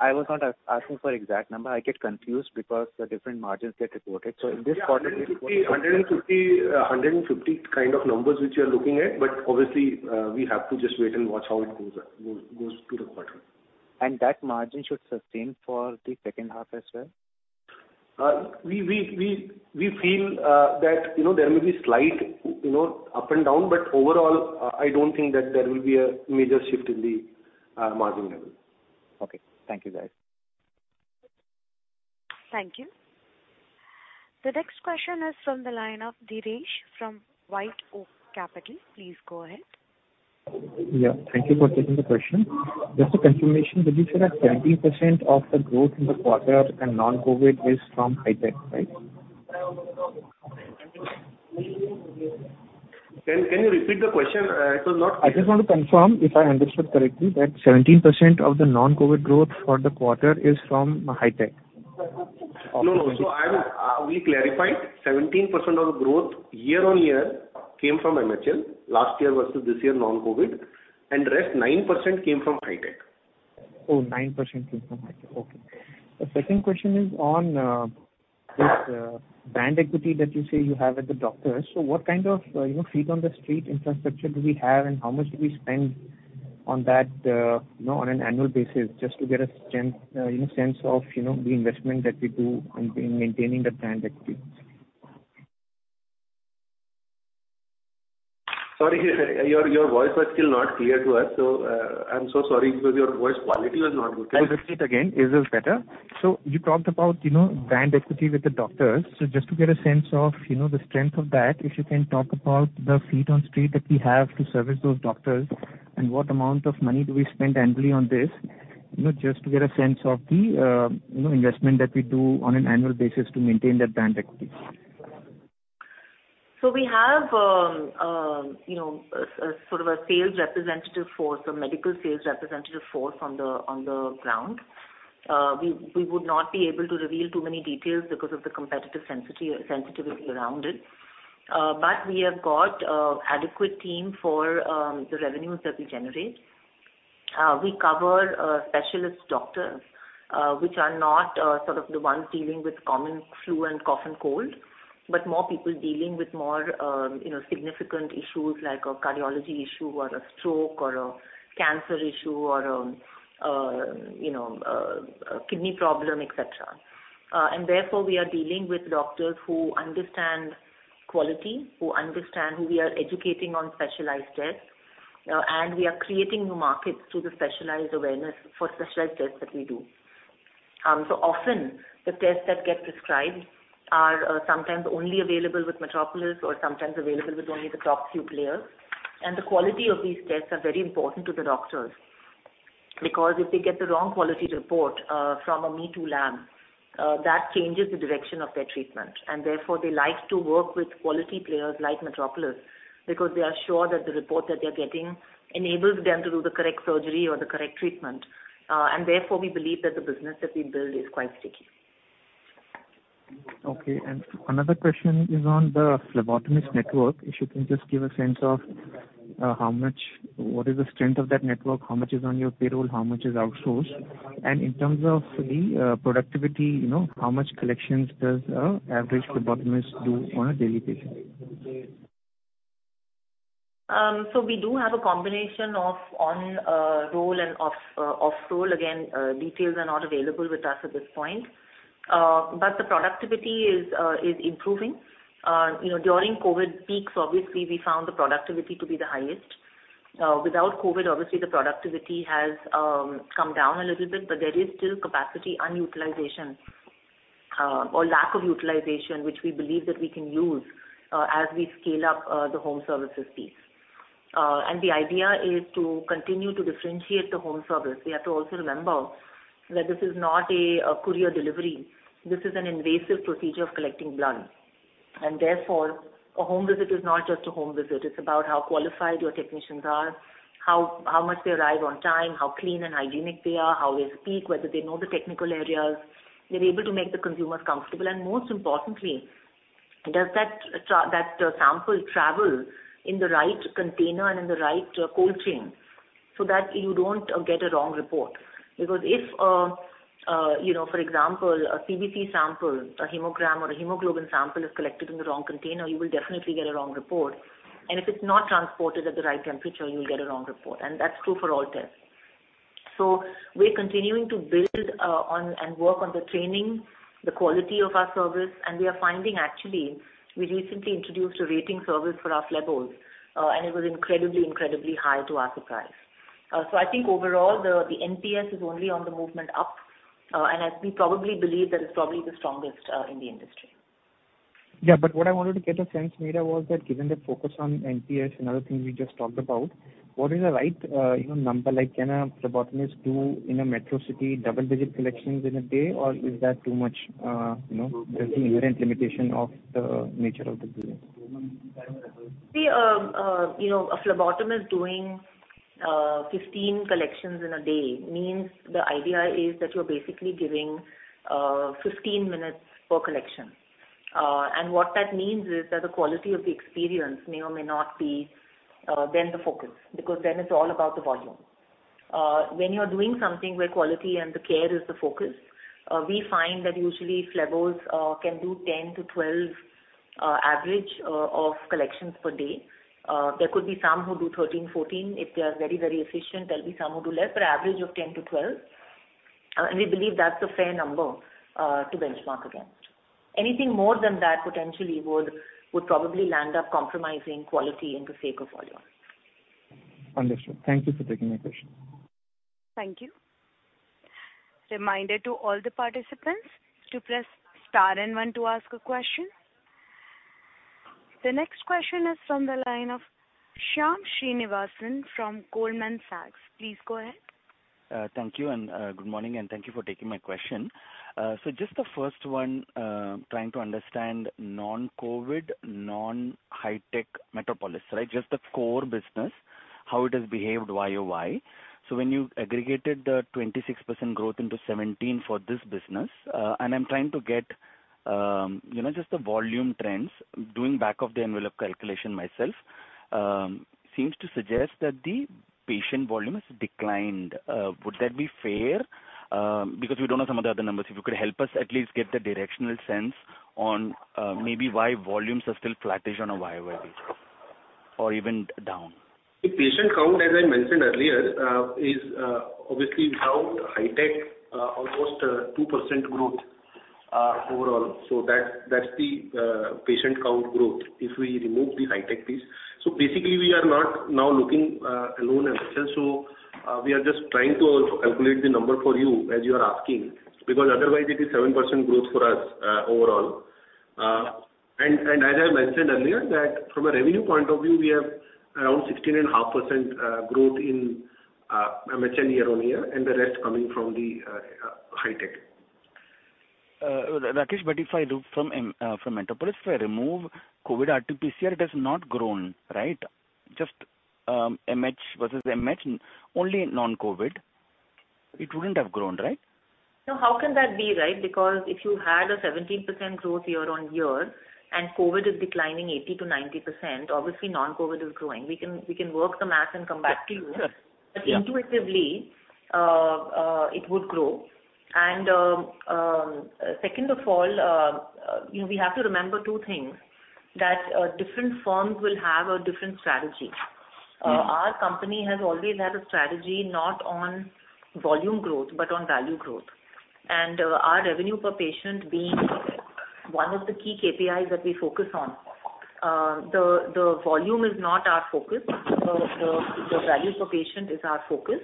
I was not asking for an exact number. I get confused because the different margins get reported. So in this quarter, we're talking about. See, 150 kind of numbers which we are looking at, but obviously, we have to just wait and watch how it goes to the quarter. That margin should sustain for the second half as well? We feel that there may be slight up and down, but overall, I don't think that there will be a major shift in the margin level. Okay. Thank you, guys. Thank you. The next question is from the line of Dheeresh from WhiteOak Capital. Please go ahead. Yeah. Thank you for taking the question. Just a confirmation, did you say that 17% of the growth in the quarter and non-COVID is from Hitech, right? Can you repeat the question? It was not clear. I just want to confirm if I understood correctly that 17% of the non-COVID growth for the quarter is from Hitech? No, no. So we clarified 17% of the growth year-on-year came from MHL last year versus this year non-COVID, and the rest 9% came from Hitech. Oh, 9% came from Hitech. Okay. The second question is on this brand equity that you say you have at the doctors. So what kind of feet on the street infrastructure do we have, and how much do we spend on that on an annual basis just to get a sense of the investment that we do in maintaining the brand equity? Sorry, your voice was still not clear to us, so I'm so sorry because your voice quality was not good. I will repeat again. Is this better? So you talked about brand equity with the doctors. So just to get a sense of the strength of that, if you can talk about the feet on the street that we have to service those doctors and what amount of money do we spend annually on this, just to get a sense of the investment that we do on an annual basis to maintain that brand equity? So we have sort of a sales representative force, a medical sales representative force on the ground. We would not be able to reveal too many details because of the competitive sensitivity around it. But we have got an adequate team for the revenues that we generate. We cover specialist doctors, which are not sort of the ones dealing with common flu and cough and cold, but more people dealing with more significant issues like a cardiology issue or a stroke or a cancer issue or a kidney problem, etc. And therefore, we are dealing with doctors who understand quality, who understand who we are educating on specialized tests, and we are creating new markets through the specialized awareness for specialized tests that we do. So often, the tests that get prescribed are sometimes only available with Metropolis or sometimes available with only the top few players. And the quality of these tests is very important to the doctors because if they get the wrong quality report from a me-too lab, that changes the direction of their treatment. And therefore, they like to work with quality players like Metropolis because they are sure that the report that they're getting enables them to do the correct surgery or the correct treatment. And therefore, we believe that the business that we build is quite sticky. Okay. And another question is on the phlebotomist network. If you can just give a sense of what is the strength of that network, how much is on your payroll, how much is outsourced? And in terms of the productivity, how much collections does an average phlebotomist do on a daily basis? So we do have a combination of on-roll and off-roll. Again, details are not available with us at this point. But the productivity is improving. During COVID peaks, obviously, we found the productivity to be the highest. Without COVID, obviously, the productivity has come down a little bit, but there is still capacity unutilization or lack of utilization, which we believe that we can use as we scale up the home services piece. And the idea is to continue to differentiate the home service. We have to also remember that this is not a courier delivery. This is an invasive procedure of collecting blood. And therefore, a home visit is not just a home visit. It's about how qualified your technicians are, how much they arrive on time, how clean and hygienic they are, how they speak, whether they know the technical areas. They're able to make the consumers comfortable. Most importantly, does that sample travel in the right container and in the right cold chain so that you don't get a wrong report? Because if, for example, a CBC sample, a hemogram, or a hemoglobin sample is collected in the wrong container, you will definitely get a wrong report. And if it's not transported at the right temperature, you'll get a wrong report. And that's true for all tests. So we're continuing to build on and work on the training, the quality of our service. And we are finding, actually, we recently introduced a rating service for our phlebotomists, and it was incredibly, incredibly high to our surprise. So I think overall, the NPS is only on the movement up, and we probably believe that it's probably the strongest in the industry. Yeah, but what I wanted to get a sense, Ameera, was that given the focus on NPS and other things we just talked about, what is the right number? Can a phlebotomist do in a metro city double-digit collections in a day, or is that too much? There's the inherent limitation of the nature of the business. See, a phlebotomist doing 15 collections in a day means the idea is that you're basically giving 15 minutes per collection. And what that means is that the quality of the experience may or may not be then the focus because then it's all about the volume. When you're doing something where quality and the care is the focus, we find that usually phlebotomists can do 10 to 12 average of collections per day. There could be some who do 13, 14. If they are very, very efficient, there'll be some who do less, but average of 10 to 12. And we believe that's a fair number to benchmark against. Anything more than that potentially would probably end up compromising quality for the sake of volume. Understood. Thank you for taking my question. Thank you. Reminder to all the participants to press star and one to ask a question. The next question is from the line of Shyam Srinivasan from Goldman Sachs. Please go ahead. Thank you. And good morning, and thank you for taking my question. So just the first one, trying to understand non-COVID, non-Hitech Metropolis, right? Just the core business, how it has behaved, why or why. So when you aggregated the 26% growth into 17% for this business, and I'm trying to get just the volume trends, doing back of the envelope calculation myself, seems to suggest that the patient volume has declined. Would that be fair? Because we don't have some of the other numbers. If you could help us at least get the directional sense on maybe why volumes are still flattish on a YoY or even down. The patient count, as I mentioned earlier, is obviously without Hitech, almost 2% growth overall. So that's the patient count growth if we remove the Hitech piece. So basically, we are not now looking alone. So we are just trying to also calculate the number for you as you are asking because otherwise, it is 7% growth for us overall. And as I mentioned earlier, that from a revenue point of view, we have around 16.5% growth in MHL year-on-year and the rest coming from the Hitech. Rakesh, but if I look from Metropolis, if I remove COVID RT-PCR, it has not grown, right? Just MH versus MH, only non-COVID, it wouldn't have grown, right? So how can that be, right? Because if you had a 17% growth year-on-year and COVID is declining 80%-90%, obviously, non-COVID is growing. We can work the math and come back to you. But intuitively, it would grow. And second of all, we have to remember two things: that different firms will have a different strategy. Our company has always had a strategy not on volume growth, but on value growth. And our revenue per patient being one of the key KPIs that we focus on, the volume is not our focus. The value per patient is our focus.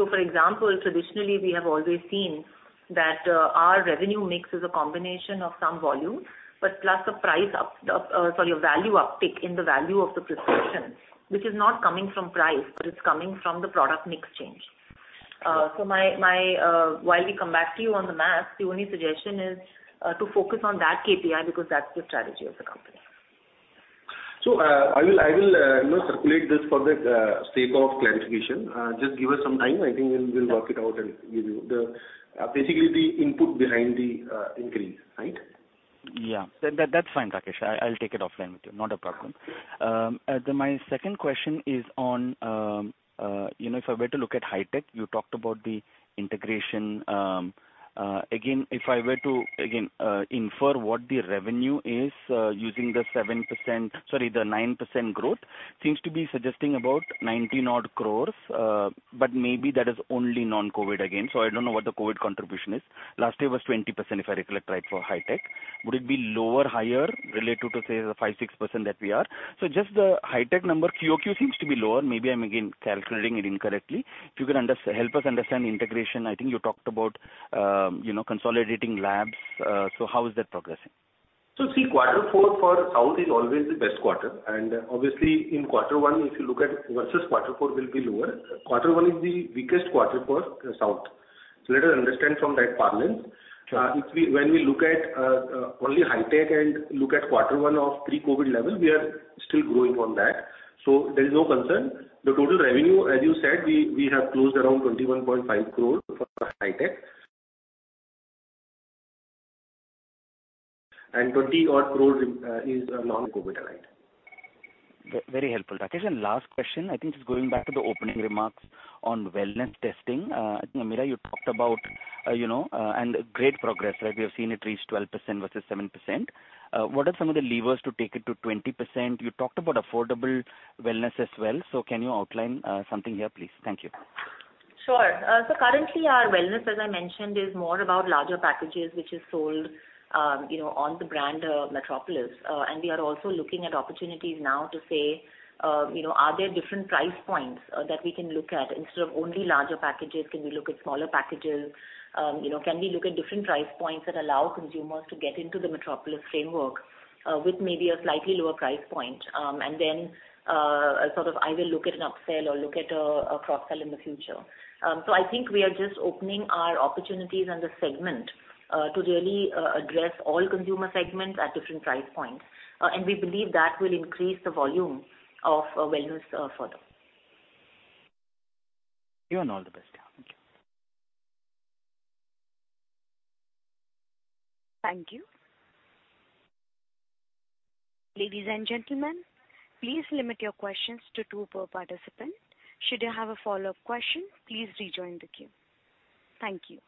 So for example, traditionally, we have always seen that our revenue mix is a combination of some volume, but plus the price up, sorry, a value uptick in the value of the prescription, which is not coming from price, but it's coming from the product mix change. So while we come back to you on the math, the only suggestion is to focus on that KPI because that's the strategy of the company. I will circulate this for the sake of clarification. Just give us some time. I think we'll work it out and give you basically the input behind the increase, right? Yeah. That's fine, Rakesh. I'll take it offline with you. Not a problem. My second question is on if I were to look at Hitech, you talked about the integration. Again, if I were to, again, infer what the revenue is using the 7%, sorry, the 9% growth, seems to be suggesting about 90-odd crores, but maybe that is only non-COVID again. So I don't know what the COVID contribution is. Last year was 20%, if I recollect right, for Hitech. Would it be lower, higher, related to, say, the 5%-6% that we are? So just the Hitech number, QoQ seems to be lower. Maybe I'm, again, calculating it incorrectly. If you can help us understand integration, I think you talked about consolidating labs. So how is that progressing? See, quarter four for South is always the best quarter. And obviously, in quarter one, if you look at versus quarter four, it will be lower. Quarter one is the weakest quarter for South. So let us understand from that parlance. When we look at only Hitech and look at quarter one of pre-COVID level, we are still growing on that. So there is no concern. The total revenue, as you said, we have closed around 21.5 crores for Hitech. And 20-odd crores is non-COVID allied. Very helpful. Rakesh, and last question, I think just going back to the opening remarks on wellness testing. Ameera, you talked about and great progress, right? We have seen it reach 12% versus 7%. What are some of the levers to take it to 20%? You talked about affordable wellness as well. So can you outline something here, please? Thank you. Sure. So currently, our wellness, as I mentioned, is more about larger packages, which is sold on the brand Metropolis. And we are also looking at opportunities now to say, are there different price points that we can look at instead of only larger packages? Can we look at smaller packages? Can we look at different price points that allow consumers to get into the Metropolis framework with maybe a slightly lower price point? And then sort of either look at an upsell or look at a cross-sell in the future. So I think we are just opening our opportunities and the segment to really address all consumer segments at different price points. And we believe that will increase the volume of wellness further. You are all the best. Thank you. Thank you. Ladies and gentlemen, please limit your questions to two per participant. Should you have a follow-up question, please rejoin the queue. Thank you.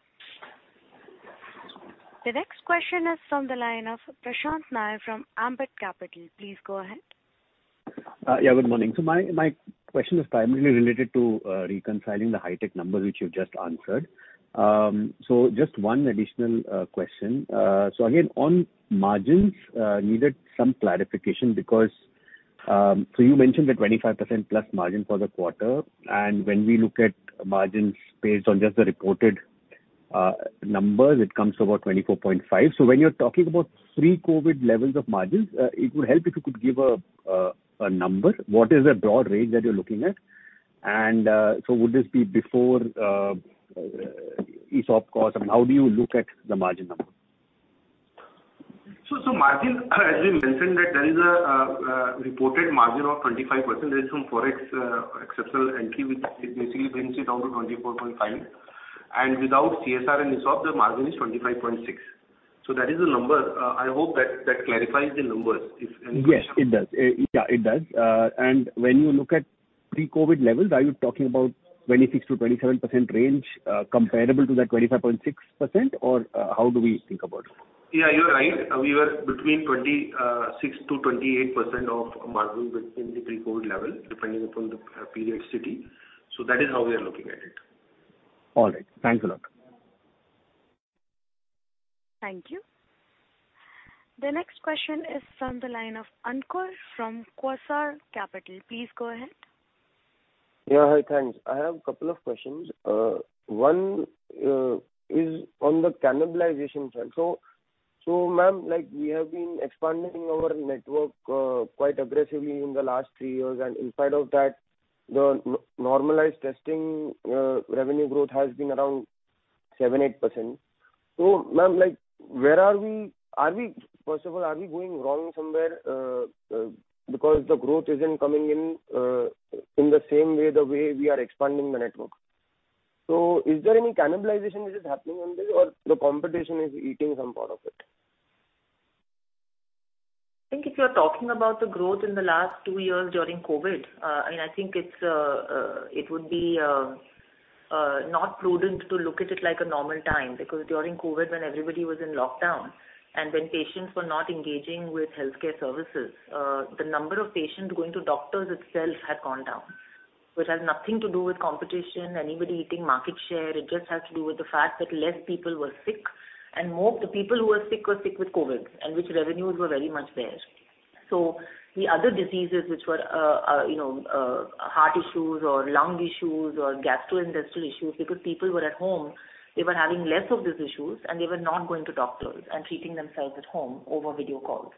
The next question is from the line of Prashant Nair from Ambit Capital. Please go ahead. Yeah. Good morning. So my question is primarily related to reconciling the Hitech numbers which you've just answered. So just one additional question. So again, on margins, needed some clarification because so you mentioned a 25%+ margin for the quarter. And when we look at margins based on just the reported numbers, it comes to about 24.5%. So when you're talking about pre-COVID levels of margins, it would help if you could give a number. What is the broad range that you're looking at? And so would this be before ESOP cost? I mean, how do you look at the margin number? So, margin, as we mentioned, there is a reported margin of 25%. There is some forex exceptional entry which basically brings it down to 24.5%. And without CSR and ESOP, the margin is 25.6%. So that is the number. I hope that clarifies the numbers, if any question. Yes, it does. Yeah, it does. And when you look at pre-COVID levels, are you talking about 26%-27% range comparable to that 25.6%, or how do we think about it? Yeah, you're right. We were between 26%-28% of margin within the pre-COVID level, depending upon the periodicity. So that is how we are looking at it. All right. Thanks a lot. Thank you. The next question is from the line of Ankur from Quasar Capital. Please go ahead. Yeah. Hi, thanks. I have a couple of questions. One is on the cannibalization front. So ma'am, we have been expanding our network quite aggressively in the last three years. And inside of that, the normalized testing revenue growth has been around 7-8%. So ma'am, where are we? First of all, are we going wrong somewhere because the growth isn't coming in the same way we are expanding the network? So is there any cannibalization which is happening on this, or the competition is eating some part of it? I think if you're talking about the growth in the last two years during COVID, I mean, I think it would be not prudent to look at it like a normal time because during COVID, when everybody was in lockdown and when patients were not engaging with healthcare services, the number of patients going to doctors itself had gone down, which has nothing to do with competition, anybody eating market share. It just has to do with the fact that less people were sick, and more of the people who were sick were sick with COVID, and which revenues were very much there. So the other diseases, which were heart issues or lung issues or gastrointestinal issues, because people were at home, they were having less of these issues, and they were not going to doctors and treating themselves at home over video calls.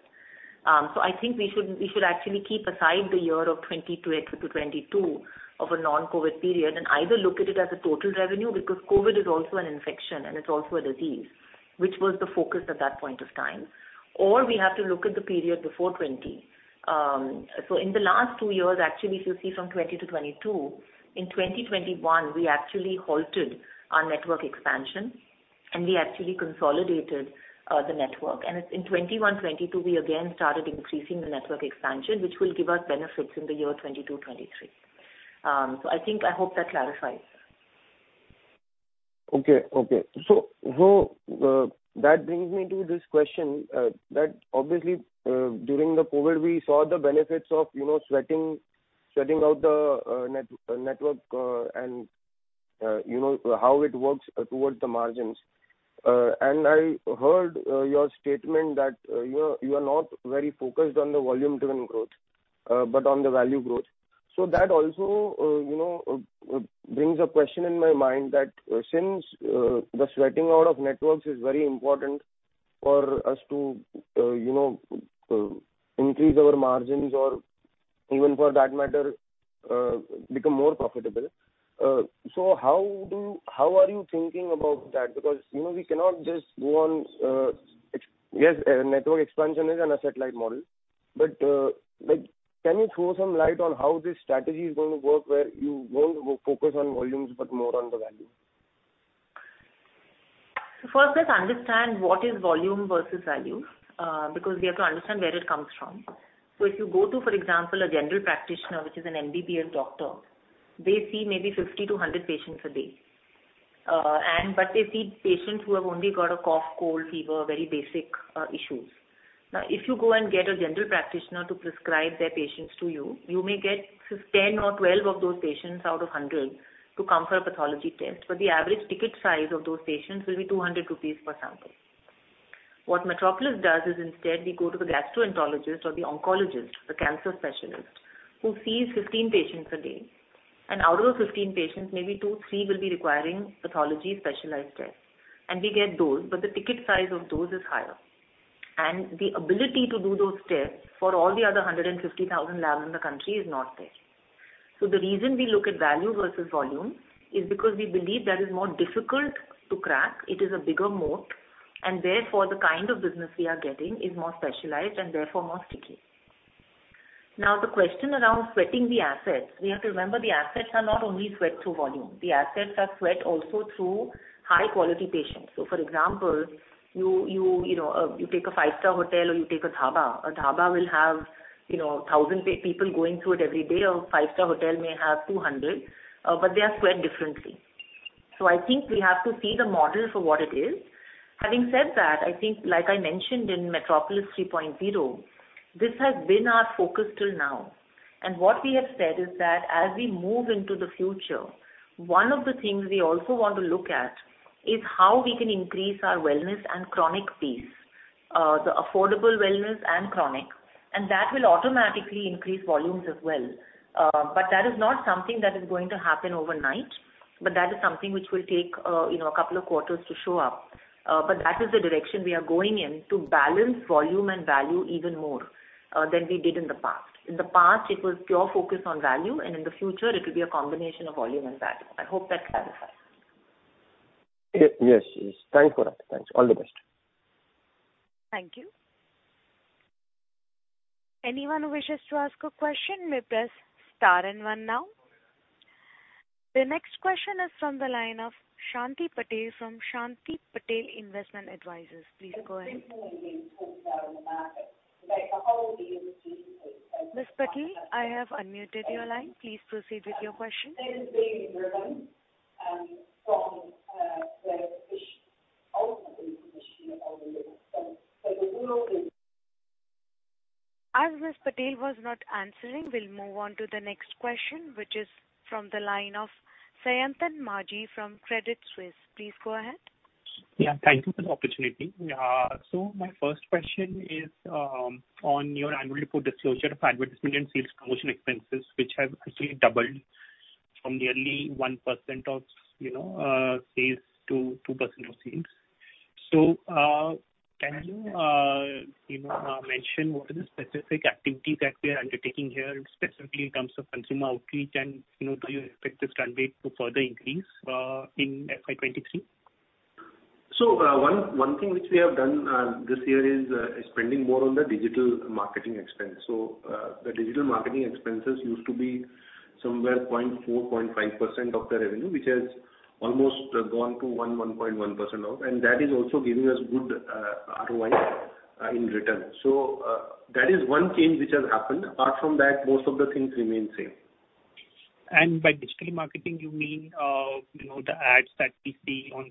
So I think we should actually keep aside the year of 2020-2022 of a non-COVID period and either look at it as a total revenue because COVID is also an infection, and it's also a disease, which was the focus at that point of time, or we have to look at the period before 2020. So in the last two years, actually, if you see from 2020-2022, in 2021, we actually halted our network expansion, and we actually consolidated the network. And in 2021, 2022, we again started increasing the network expansion, which will give us benefits in the year 2022, 2023. So I think I hope that clarifies. That brings me to this question that obviously, during the COVID, we saw the benefits of shutting out the network and how it works towards the margins. And I heard your statement that you are not very focused on the volume-driven growth, but on the value growth. So that also brings a question in my mind that since the shutting out of networks is very important for us to increase our margins or even for that matter, become more profitable. So how are you thinking about that? Because we cannot just go on, yes, network expansion is an asset-like model. But can you throw some light on how this strategy is going to work where you won't focus on volumes, but more on the value? So first, let's understand what is volume versus value because we have to understand where it comes from. So if you go to, for example, a general practitioner, which is an MD/GP doctor, they see maybe 50 to 100 patients a day. But they see patients who have only got a cough, cold, fever, very basic issues. Now, if you go and get a general practitioner to prescribe their patients to you, you may get 10 or 12 of those patients out of 100 to come for a pathology test. But the average ticket size of those patients will be 200 rupees per sample. What Metropolis does is instead, we go to the gastroenterologist or the oncologist, the cancer specialist, who sees 15 patients a day. And out of those 15 patients, maybe two or three will be requiring pathology specialized tests. And we get those, but the ticket size of those is higher. And the ability to do those tests for all the other 150,000 labs in the country is not there. So the reason we look at value versus volume is because we believe that is more difficult to crack. It is a bigger moat. And therefore, the kind of business we are getting is more specialized and therefore more sticky. Now, the question around sweating the assets, we have to remember the assets are not only sweat through volume. The assets are sweat also through high-quality patients. So for example, you take a five-star hotel or you take a dhaba. A dhaba will have 1,000 people going through it every day. A five-star hotel may have 200, but they are sweat differently. So I think we have to see the model for what it is. Having said that, I think, like I mentioned in Metropolis 3.0, this has been our focus till now. And what we have said is that as we move into the future, one of the things we also want to look at is how we can increase our wellness and chronic base, the affordable wellness and chronic. And that will automatically increase volumes as well. But that is not something that is going to happen overnight, but that is something which will take a couple of quarters to show up. But that is the direction we are going in to balance volume and value even more than we did in the past. In the past, it was pure focus on value, and in the future, it will be a combination of volume and value. I hope that clarifies. Yes. Thanks for that. Thanks. All the best. Thank you. Anyone who wishes to ask a question may press star and one now. The next question is from the line of Shanti Patel from Shanti Patel Investment Advisors. Please go ahead. Ms. Patel, I have unmuted your line. Please proceed with your question. As Ms. Patel was not answering, we'll move on to the next question, which is from the line of Sayantan Maji from Credit Suisse. Please go ahead. Yeah. Thank you for the opportunity. So my first question is on your annual report disclosure of advertisement and sales promotion expenses, which have actually doubled from nearly 1% of sales to 2% of sales. So can you mention what are the specific activities that we are undertaking here, specifically in terms of consumer outreach, and do you expect this to further increase in FY 2023? So one thing which we have done this year is spending more on the digital marketing expense. So the digital marketing expenses used to be somewhere 0.4%-0.5% of the revenue, which has almost gone to 1%-1.1% now. And that is also giving us good ROI in return. So that is one change which has happened. Apart from that, most of the things remain same. By digital marketing, you mean the ads that we see on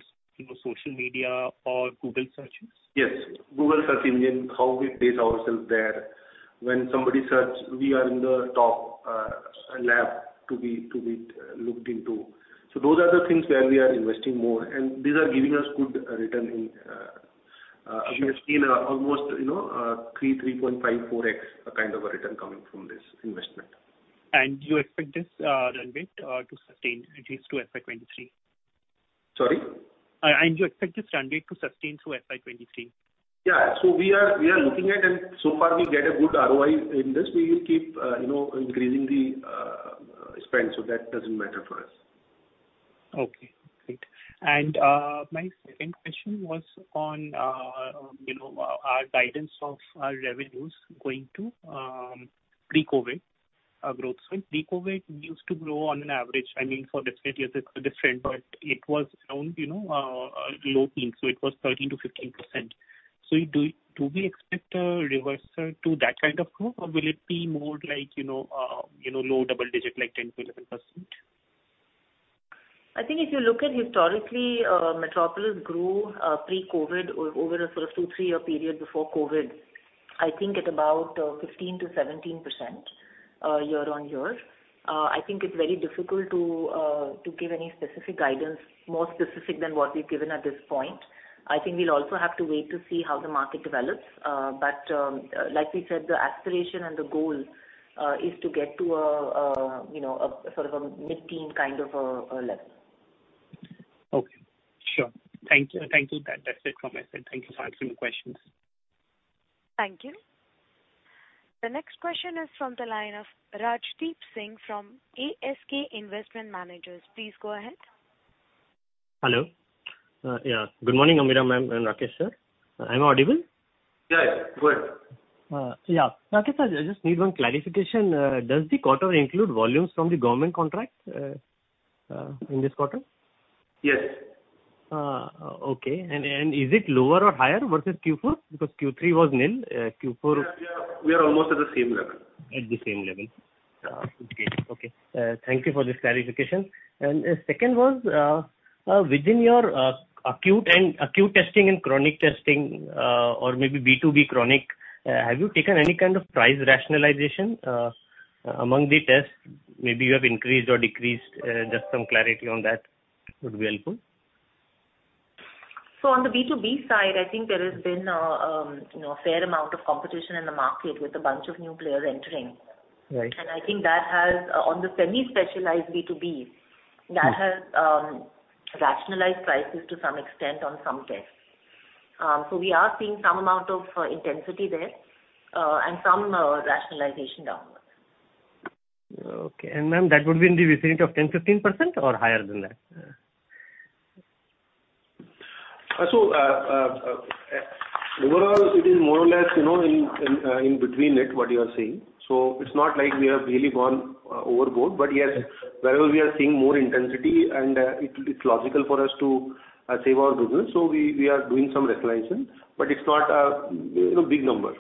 social media or Google searches? Yes. Google search engine, how we place ourselves there. When somebody search, we are in the top lab to be looked into. So those are the things where we are investing more and these are giving us good return. We have seen almost 3, 3.5, 4x kind of a return coming from this investment. You expect this runway to sustain at least to FY 2023? Sorry? You expect this runway to sustain through FY 2023? Yeah. So we are looking at, and so far, we get a good ROI in this. We will keep increasing the expense. So that doesn't matter for us. Okay. Great. And my second question was on our guidance of our revenues going to pre-COVID growth. Pre-COVID, we used to grow on an average. I mean, FY definitely, it's different, but it was around low teens. So it was 13%-15%. So do we expect a reversal to that kind of growth, or will it be more like low double-digit, like 10%-11%? I think if you look at historically, Metropolis grew pre-COVID over a sort of two, three-year period before COVID. I think it's about 15%-17% year-on-year. I think it's very difficult to give any specific guidance, more specific than what we've given at this point. I think we'll also have to wait to see how the market develops. But like we said, the aspiration and the goal is to get to a sort of a mid-teens kind of a level. Okay. Sure. Thank you. That's it from my side. Thank you for answering my questions. Thank you. The next question is from the line of Rajdeep Singh from ASK Investment Managers. Please go ahead. Hello. Yeah. Good morning, Ameera ma'am and Rakesh sir. I'm audible? Yes. Good. Yeah. Rakesh sir, I just need one clarification. Does the quarter include volumes from the government contract in this quarter? Yes. Okay. And is it lower or higher versus Q4? Because Q3 was nil. Q4. We are almost at the same level. At the same level. Okay. Okay. Thank you for this clarification. And the second was within your acute testing and chronic testing, or maybe B2B chronic, have you taken any kind of price rationalization among the tests? Maybe you have increased or decreased. Just some clarity on that would be helpful. So on the B2B side, I think there has been a fair amount of competition in the market with a bunch of new players entering. And I think that has on the semi-specialized B2B, that has rationalized prices to some extent on some tests. So we are seeing some amount of intensity there and some rationalization downwards. Okay, and ma'am, that would be in the vicinity of 10%-15% or higher than that? So overall, it is more or less in between it, what you are seeing. So it's not like we have really gone overboard, but yes, where we are seeing more intensity, and it's logical for us to save our business. So we are doing some rationalization, but it's not a big number.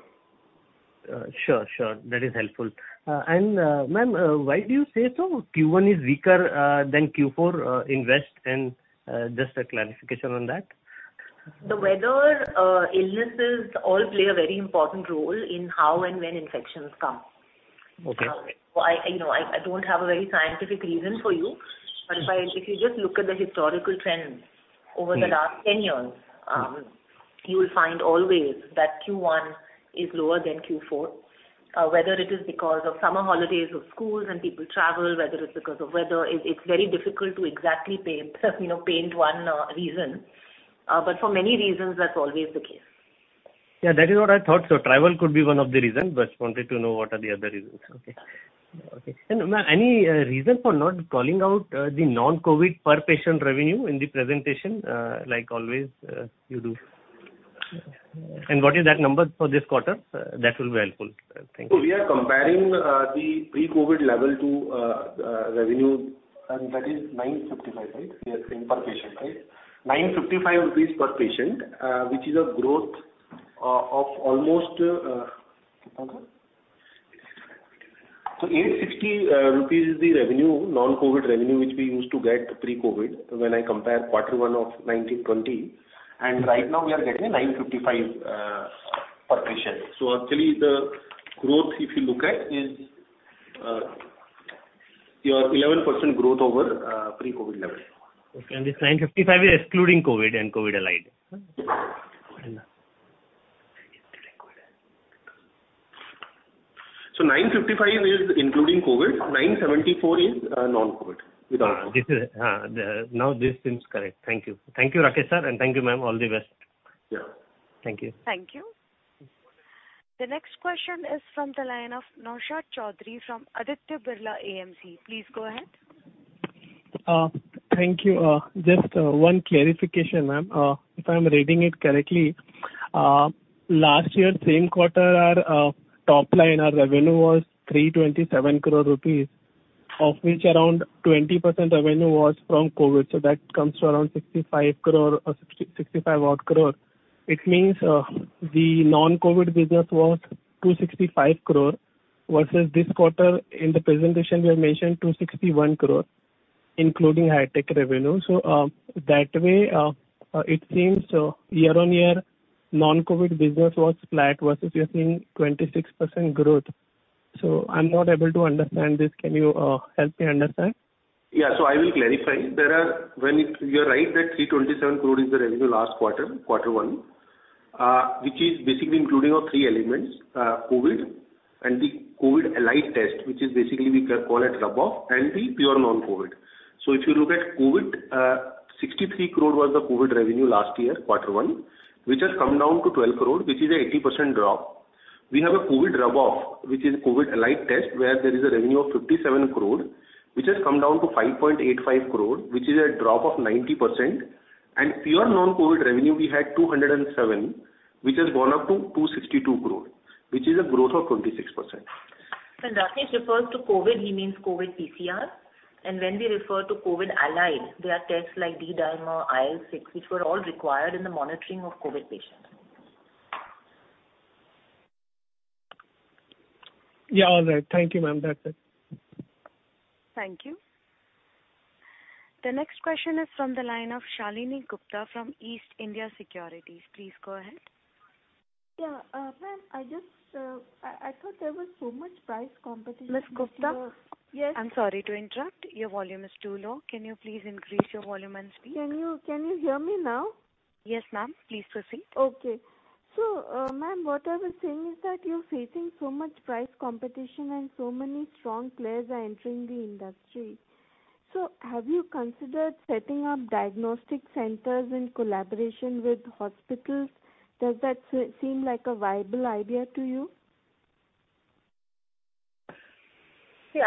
Sure. Sure. That is helpful. And ma'am, why do you say so? Q1 is weaker than Q4, isn't it? And just a clarification on that. The weather, illnesses all play a very important role in how and when infections come. So I don't have a very scientific reason for you, but if you just look at the historical trends over the last 10 years, you will find always that Q1 is lower than Q4. Whether it is because of summer holidays or schools and people travel, whether it's because of weather, it's very difficult to exactly paint one reason. But for many reasons, that's always the case. Yeah. That is what I thought. So travel could be one of the reasons, but wanted to know what are the other reasons. Okay. Okay. And ma'am, any reason for not calling out the non-COVID per patient revenue in the presentation like always you do? And what is that number for this quarter? That will be helpful. Thank you. So, we are comparing the pre-COVID level to revenue, and that is 955, right? We are saying per patient, right? 955 rupees per patient, which is a growth of almost. So, 860 rupees is the revenue, non-COVID revenue, which we used to get pre-COVID when I compare quarter one of 2019-2020. And right now, we are getting 955 per patient. So, actually, the growth, if you look at, is you are 11% growth over pre-COVID level. Okay. And this 955 is excluding COVID and COVID allied. 955 is including COVID. 974 is non-COVID without COVID. Now this seems correct. Thank you. Thank you, Rakesh sir, and thank you, ma'am. All the best. Yeah. Thank you. Thank you. The next question is from the line of Naushad Chaudhary from Aditya Birla AMC. Please go ahead. Thank you. Just one clarification, ma'am. If I'm reading it correctly, last year, same quarter, our top line, our revenue was 327 crore rupees, of which around 20% revenue was from COVID. So that comes to around 65 crore. It means the non-COVID business was 265 crore versus this quarter, in the presentation, we have mentioned 261 crore, including Hitech revenue. So that way, it seems year-on-year, non-COVID business was flat versus we are seeing 26% growth. So I'm not able to understand this. Can you help me understand? Yeah. So I will clarify. You're right that 327 crore is the revenue last quarter, quarter one, which is basically including three elements: COVID and the COVID allied test, which is basically we call it run-off and the pure non-COVID. So if you look at COVID, 63 crore was the COVID revenue last year, quarter one, which has come down to 12 crore, which is an 80% drop. We have a COVID run-off, which is COVID allied test, where there is a revenue of 57 crore, which has come down to 5.85 crore, which is a drop of 90%. And pure non-COVID revenue, we had 207, which has gone up to 262 crore, which is a growth of 26%. When Rakesh refers to COVID, he means COVID PCR, and when we refer to COVID allied, there are tests like D-dimer, IL-6, which were all required in the monitoring of COVID patients. Yeah. All right. Thank you, ma'am. That's it. Thank you. The next question is from the line of Shalini Gupta from East India Securities. Please go ahead. Yeah. Ma'am, I thought there was so much price competition. Ms. Gupta? Yes? I'm sorry to interrupt. Your volume is too low. Can you please increase your volume and speed? Can you hear me now? Yes, ma'am. Please proceed. Okay. So ma'am, what I was saying is that you're facing so much price competition and so many strong players are entering the industry. So have you considered setting up diagnostic centers in collaboration with hospitals? Does that seem like a viable idea to you? See,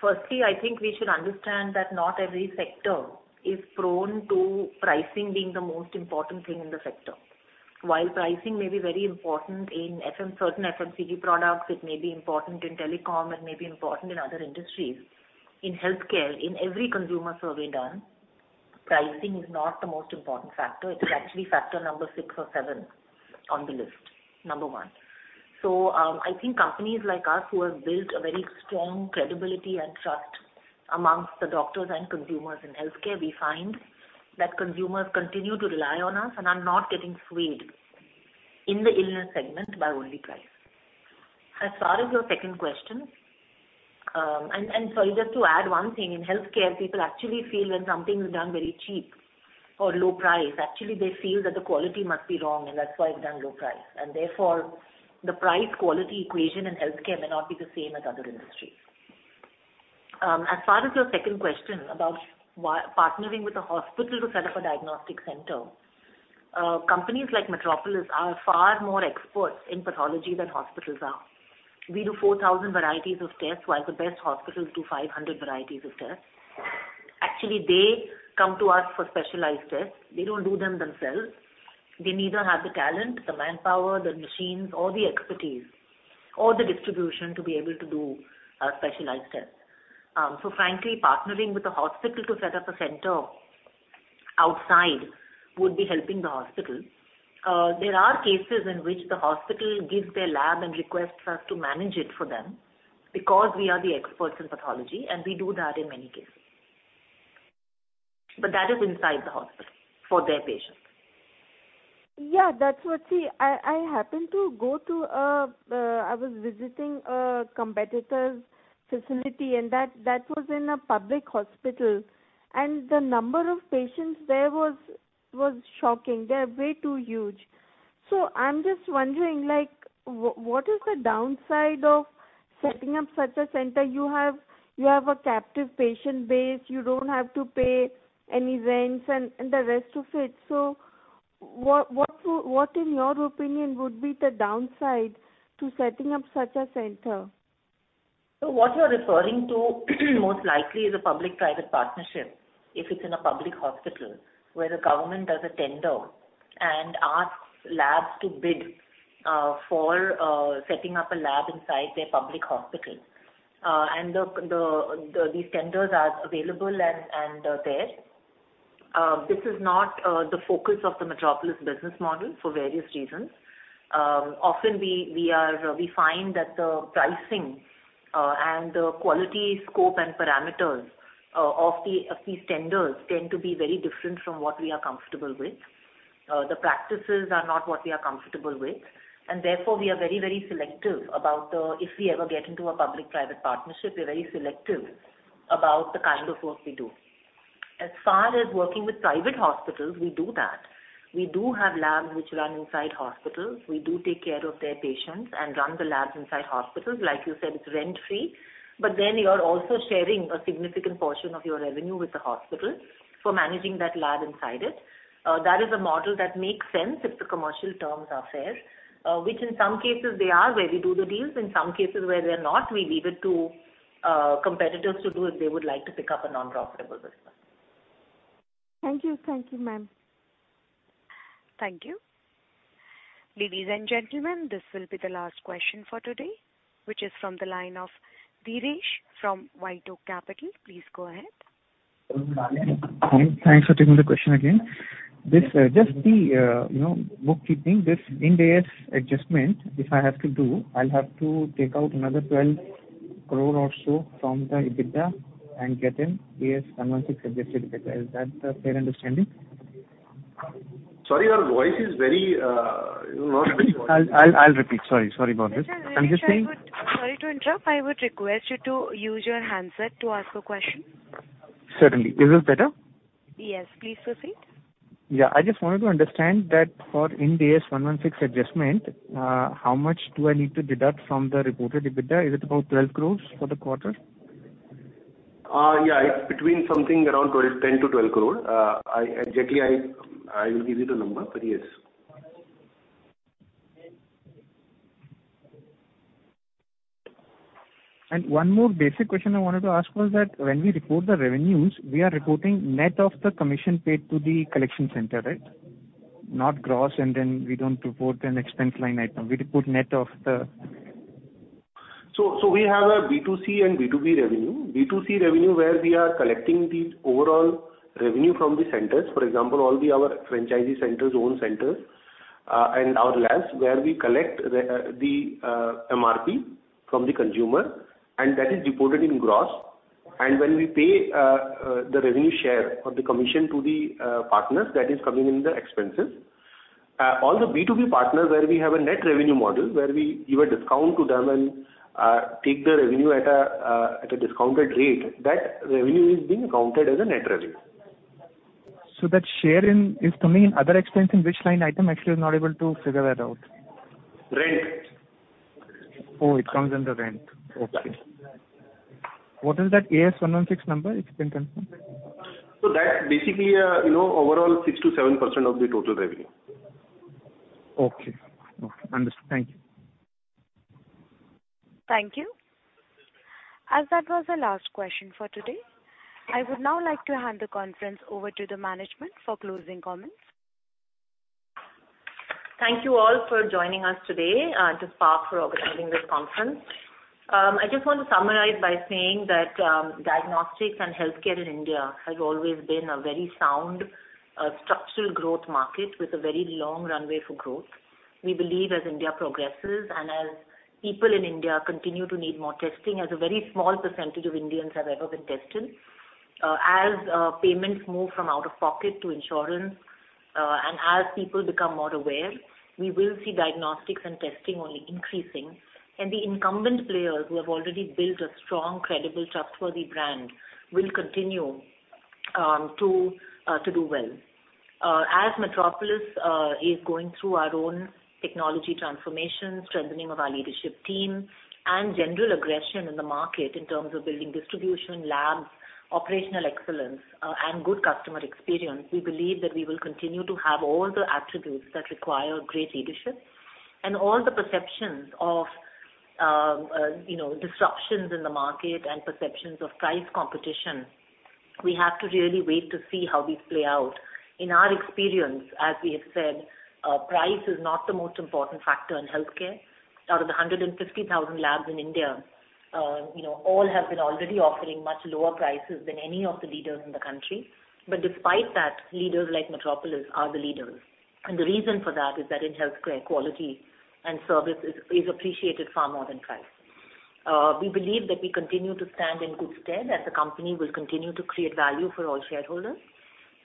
firstly, I think we should understand that not every sector is prone to pricing being the most important thing in the sector. While pricing may be very important in certain FMCG products, it may be important in telecom, it may be important in other industries. In healthcare, in every consumer survey done, pricing is not the most important factor. It is actually factor number six or seven on the list, number one. So I think companies like us who have built a very strong credibility and trust amongst the doctors and consumers in healthcare, we find that consumers continue to rely on us and are not getting swayed in the illness segment by only price. As far as your second question, and sorry, just to add one thing, in healthcare, people actually feel when something is done very cheap or low price, actually they feel that the quality must be wrong, and that's why it's done low price, and therefore, the price-quality equation in healthcare may not be the same as other industries. As far as your second question about partnering with a hospital to set up a diagnostic center, companies like Metropolis are far more experts in pathology than hospitals are. We do 4,000 varieties of tests, while the best hospitals do 500 varieties of tests. Actually, they come to us for specialized tests. They don't do them themselves. They neither have the talent, the manpower, the machines, or the expertise, or the distribution to be able to do specialized tests. So frankly, partnering with a hospital to set up a center outside would be helping the hospital. There are cases in which the hospital gives their lab and requests us to manage it for them because we are the experts in pathology, and we do that in many cases. But that is inside the hospital for their patients. Yeah. See, I happened to go to – I was visiting a competitor's facility, and that was in a public hospital, and the number of patients there was shocking. They're way too huge. So I'm just wondering, what is the downside of setting up such a center? You have a captive patient base. You don't have to pay any rents and the rest of it. So what, in your opinion, would be the downside to setting up such a center? So what you're referring to most likely is a public-private partnership if it's in a public hospital where the government does a tender and asks labs to bid for setting up a lab inside their public hospital. And these tenders are available and there. This is not the focus of the Metropolis business model for various reasons. Often, we find that the pricing and the quality scope and parameters of these tenders tend to be very different from what we are comfortable with. The practices are not what we are comfortable with. And therefore, we are very, very selective about if we ever get into a public-private partnership. We're very selective about the kind of work we do. As far as working with private hospitals, we do that. We do have labs which run inside hospitals. We do take care of their patients and run the labs inside hospitals. Like you said, it's rent-free, but then you are also sharing a significant portion of your revenue with the hospital for managing that lab inside it. That is a model that makes sense if the commercial terms are fair, which in some cases they are where we do the deals. In some cases where they're not, we leave it to competitors to do if they would like to pick up a non-profitable business. Thank you. Thank you, ma'am. Thank you. Ladies and gentlemen, this will be the last question for today, which is from the line of Dheeresh from WhiteOak Capital. Please go ahead. Thanks for taking the question again. Just the bookkeeping, this Ind AS adjustment, if I have to do, I'll have to take out another 12 crore or so from the EBITDA and get Ind AS 116 adjusted EBITDA. Is that a fair understanding? Sorry, your voice is not very clear. I'll repeat. Sorry. Sorry about this. I'm just saying. Sorry to interrupt. I would request you to use your handset to ask a question. Certainly. Is this better? Yes. Please proceed. Yeah. I just wanted to understand that for Ind AS 116 adjustment, how much do I need to deduct from the reported EBITDA? Is it about 12 crores for the quarter? Yeah. It's between something around 10 crore-12 crore. I will give you the number, but yes. And one more basic question I wanted to ask was that when we report the revenues, we are reporting net of the commission paid to the collection center, right? Not gross, and then we don't report an expense line item. We report net of the. So we have a B2C and B2B revenue. B2C revenue where we are collecting the overall revenue from the centers. For example, all the franchisee centers, own centers, and our labs where we collect the MRP from the consumer, and that is reported in gross. And when we pay the revenue share of the commission to the partners, that is coming in the expenses. All the B2B partners where we have a net revenue model where we give a discount to them and take the revenue at a discounted rate, that revenue is being accounted as a net revenue. So that share is coming in other expense, in which line item actually I'm not able to figure that out? Rent. Oh, it comes in the rent. Okay. What is that Ind AS 116 number, if you can confirm? So that's basically overall 6%-7% of the total revenue. Okay. Okay. Understood. Thank you. Thank you. As that was the last question for today, I would now like to hand the conference over to the management for closing comments. Thank you all for joining us today to Spark for organizing this conference. I just want to summarize by saying that diagnostics and healthcare in India has always been a very sound structural growth market with a very long runway for growth. We believe as India progresses and as people in India continue to need more testing, as a very small percentage of Indians have ever been tested, as payments move from out-of-pocket to insurance, and as people become more aware, we will see diagnostics and testing only increasing. And the incumbent players who have already built a strong, credible, trustworthy brand will continue to do well. As Metropolis is going through our own technology transformation, strengthening of our leadership team, and general aggression in the market in terms of building distribution labs, operational excellence, and good customer experience, we believe that we will continue to have all the attributes that require great leadership, and all the perceptions of disruptions in the market and perceptions of price competition, we have to really wait to see how these play out. In our experience, as we have said, price is not the most important factor in healthcare. Out of the 150,000 labs in India, all have been already offering much lower prices than any of the leaders in the country. But despite that, leaders like Metropolis are the leaders, and the reason for that is that in healthcare, quality and service is appreciated far more than price. We believe that we continue to stand in good stead as a company will continue to create value for all shareholders.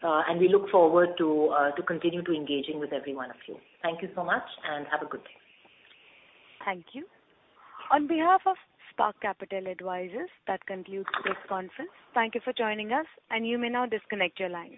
And we look forward to continuing to engage with every one of you. Thank you so much and have a good day. Thank you. On behalf of Spark Capital Advisors, that concludes this conference. Thank you for joining us, and you may now disconnect your line.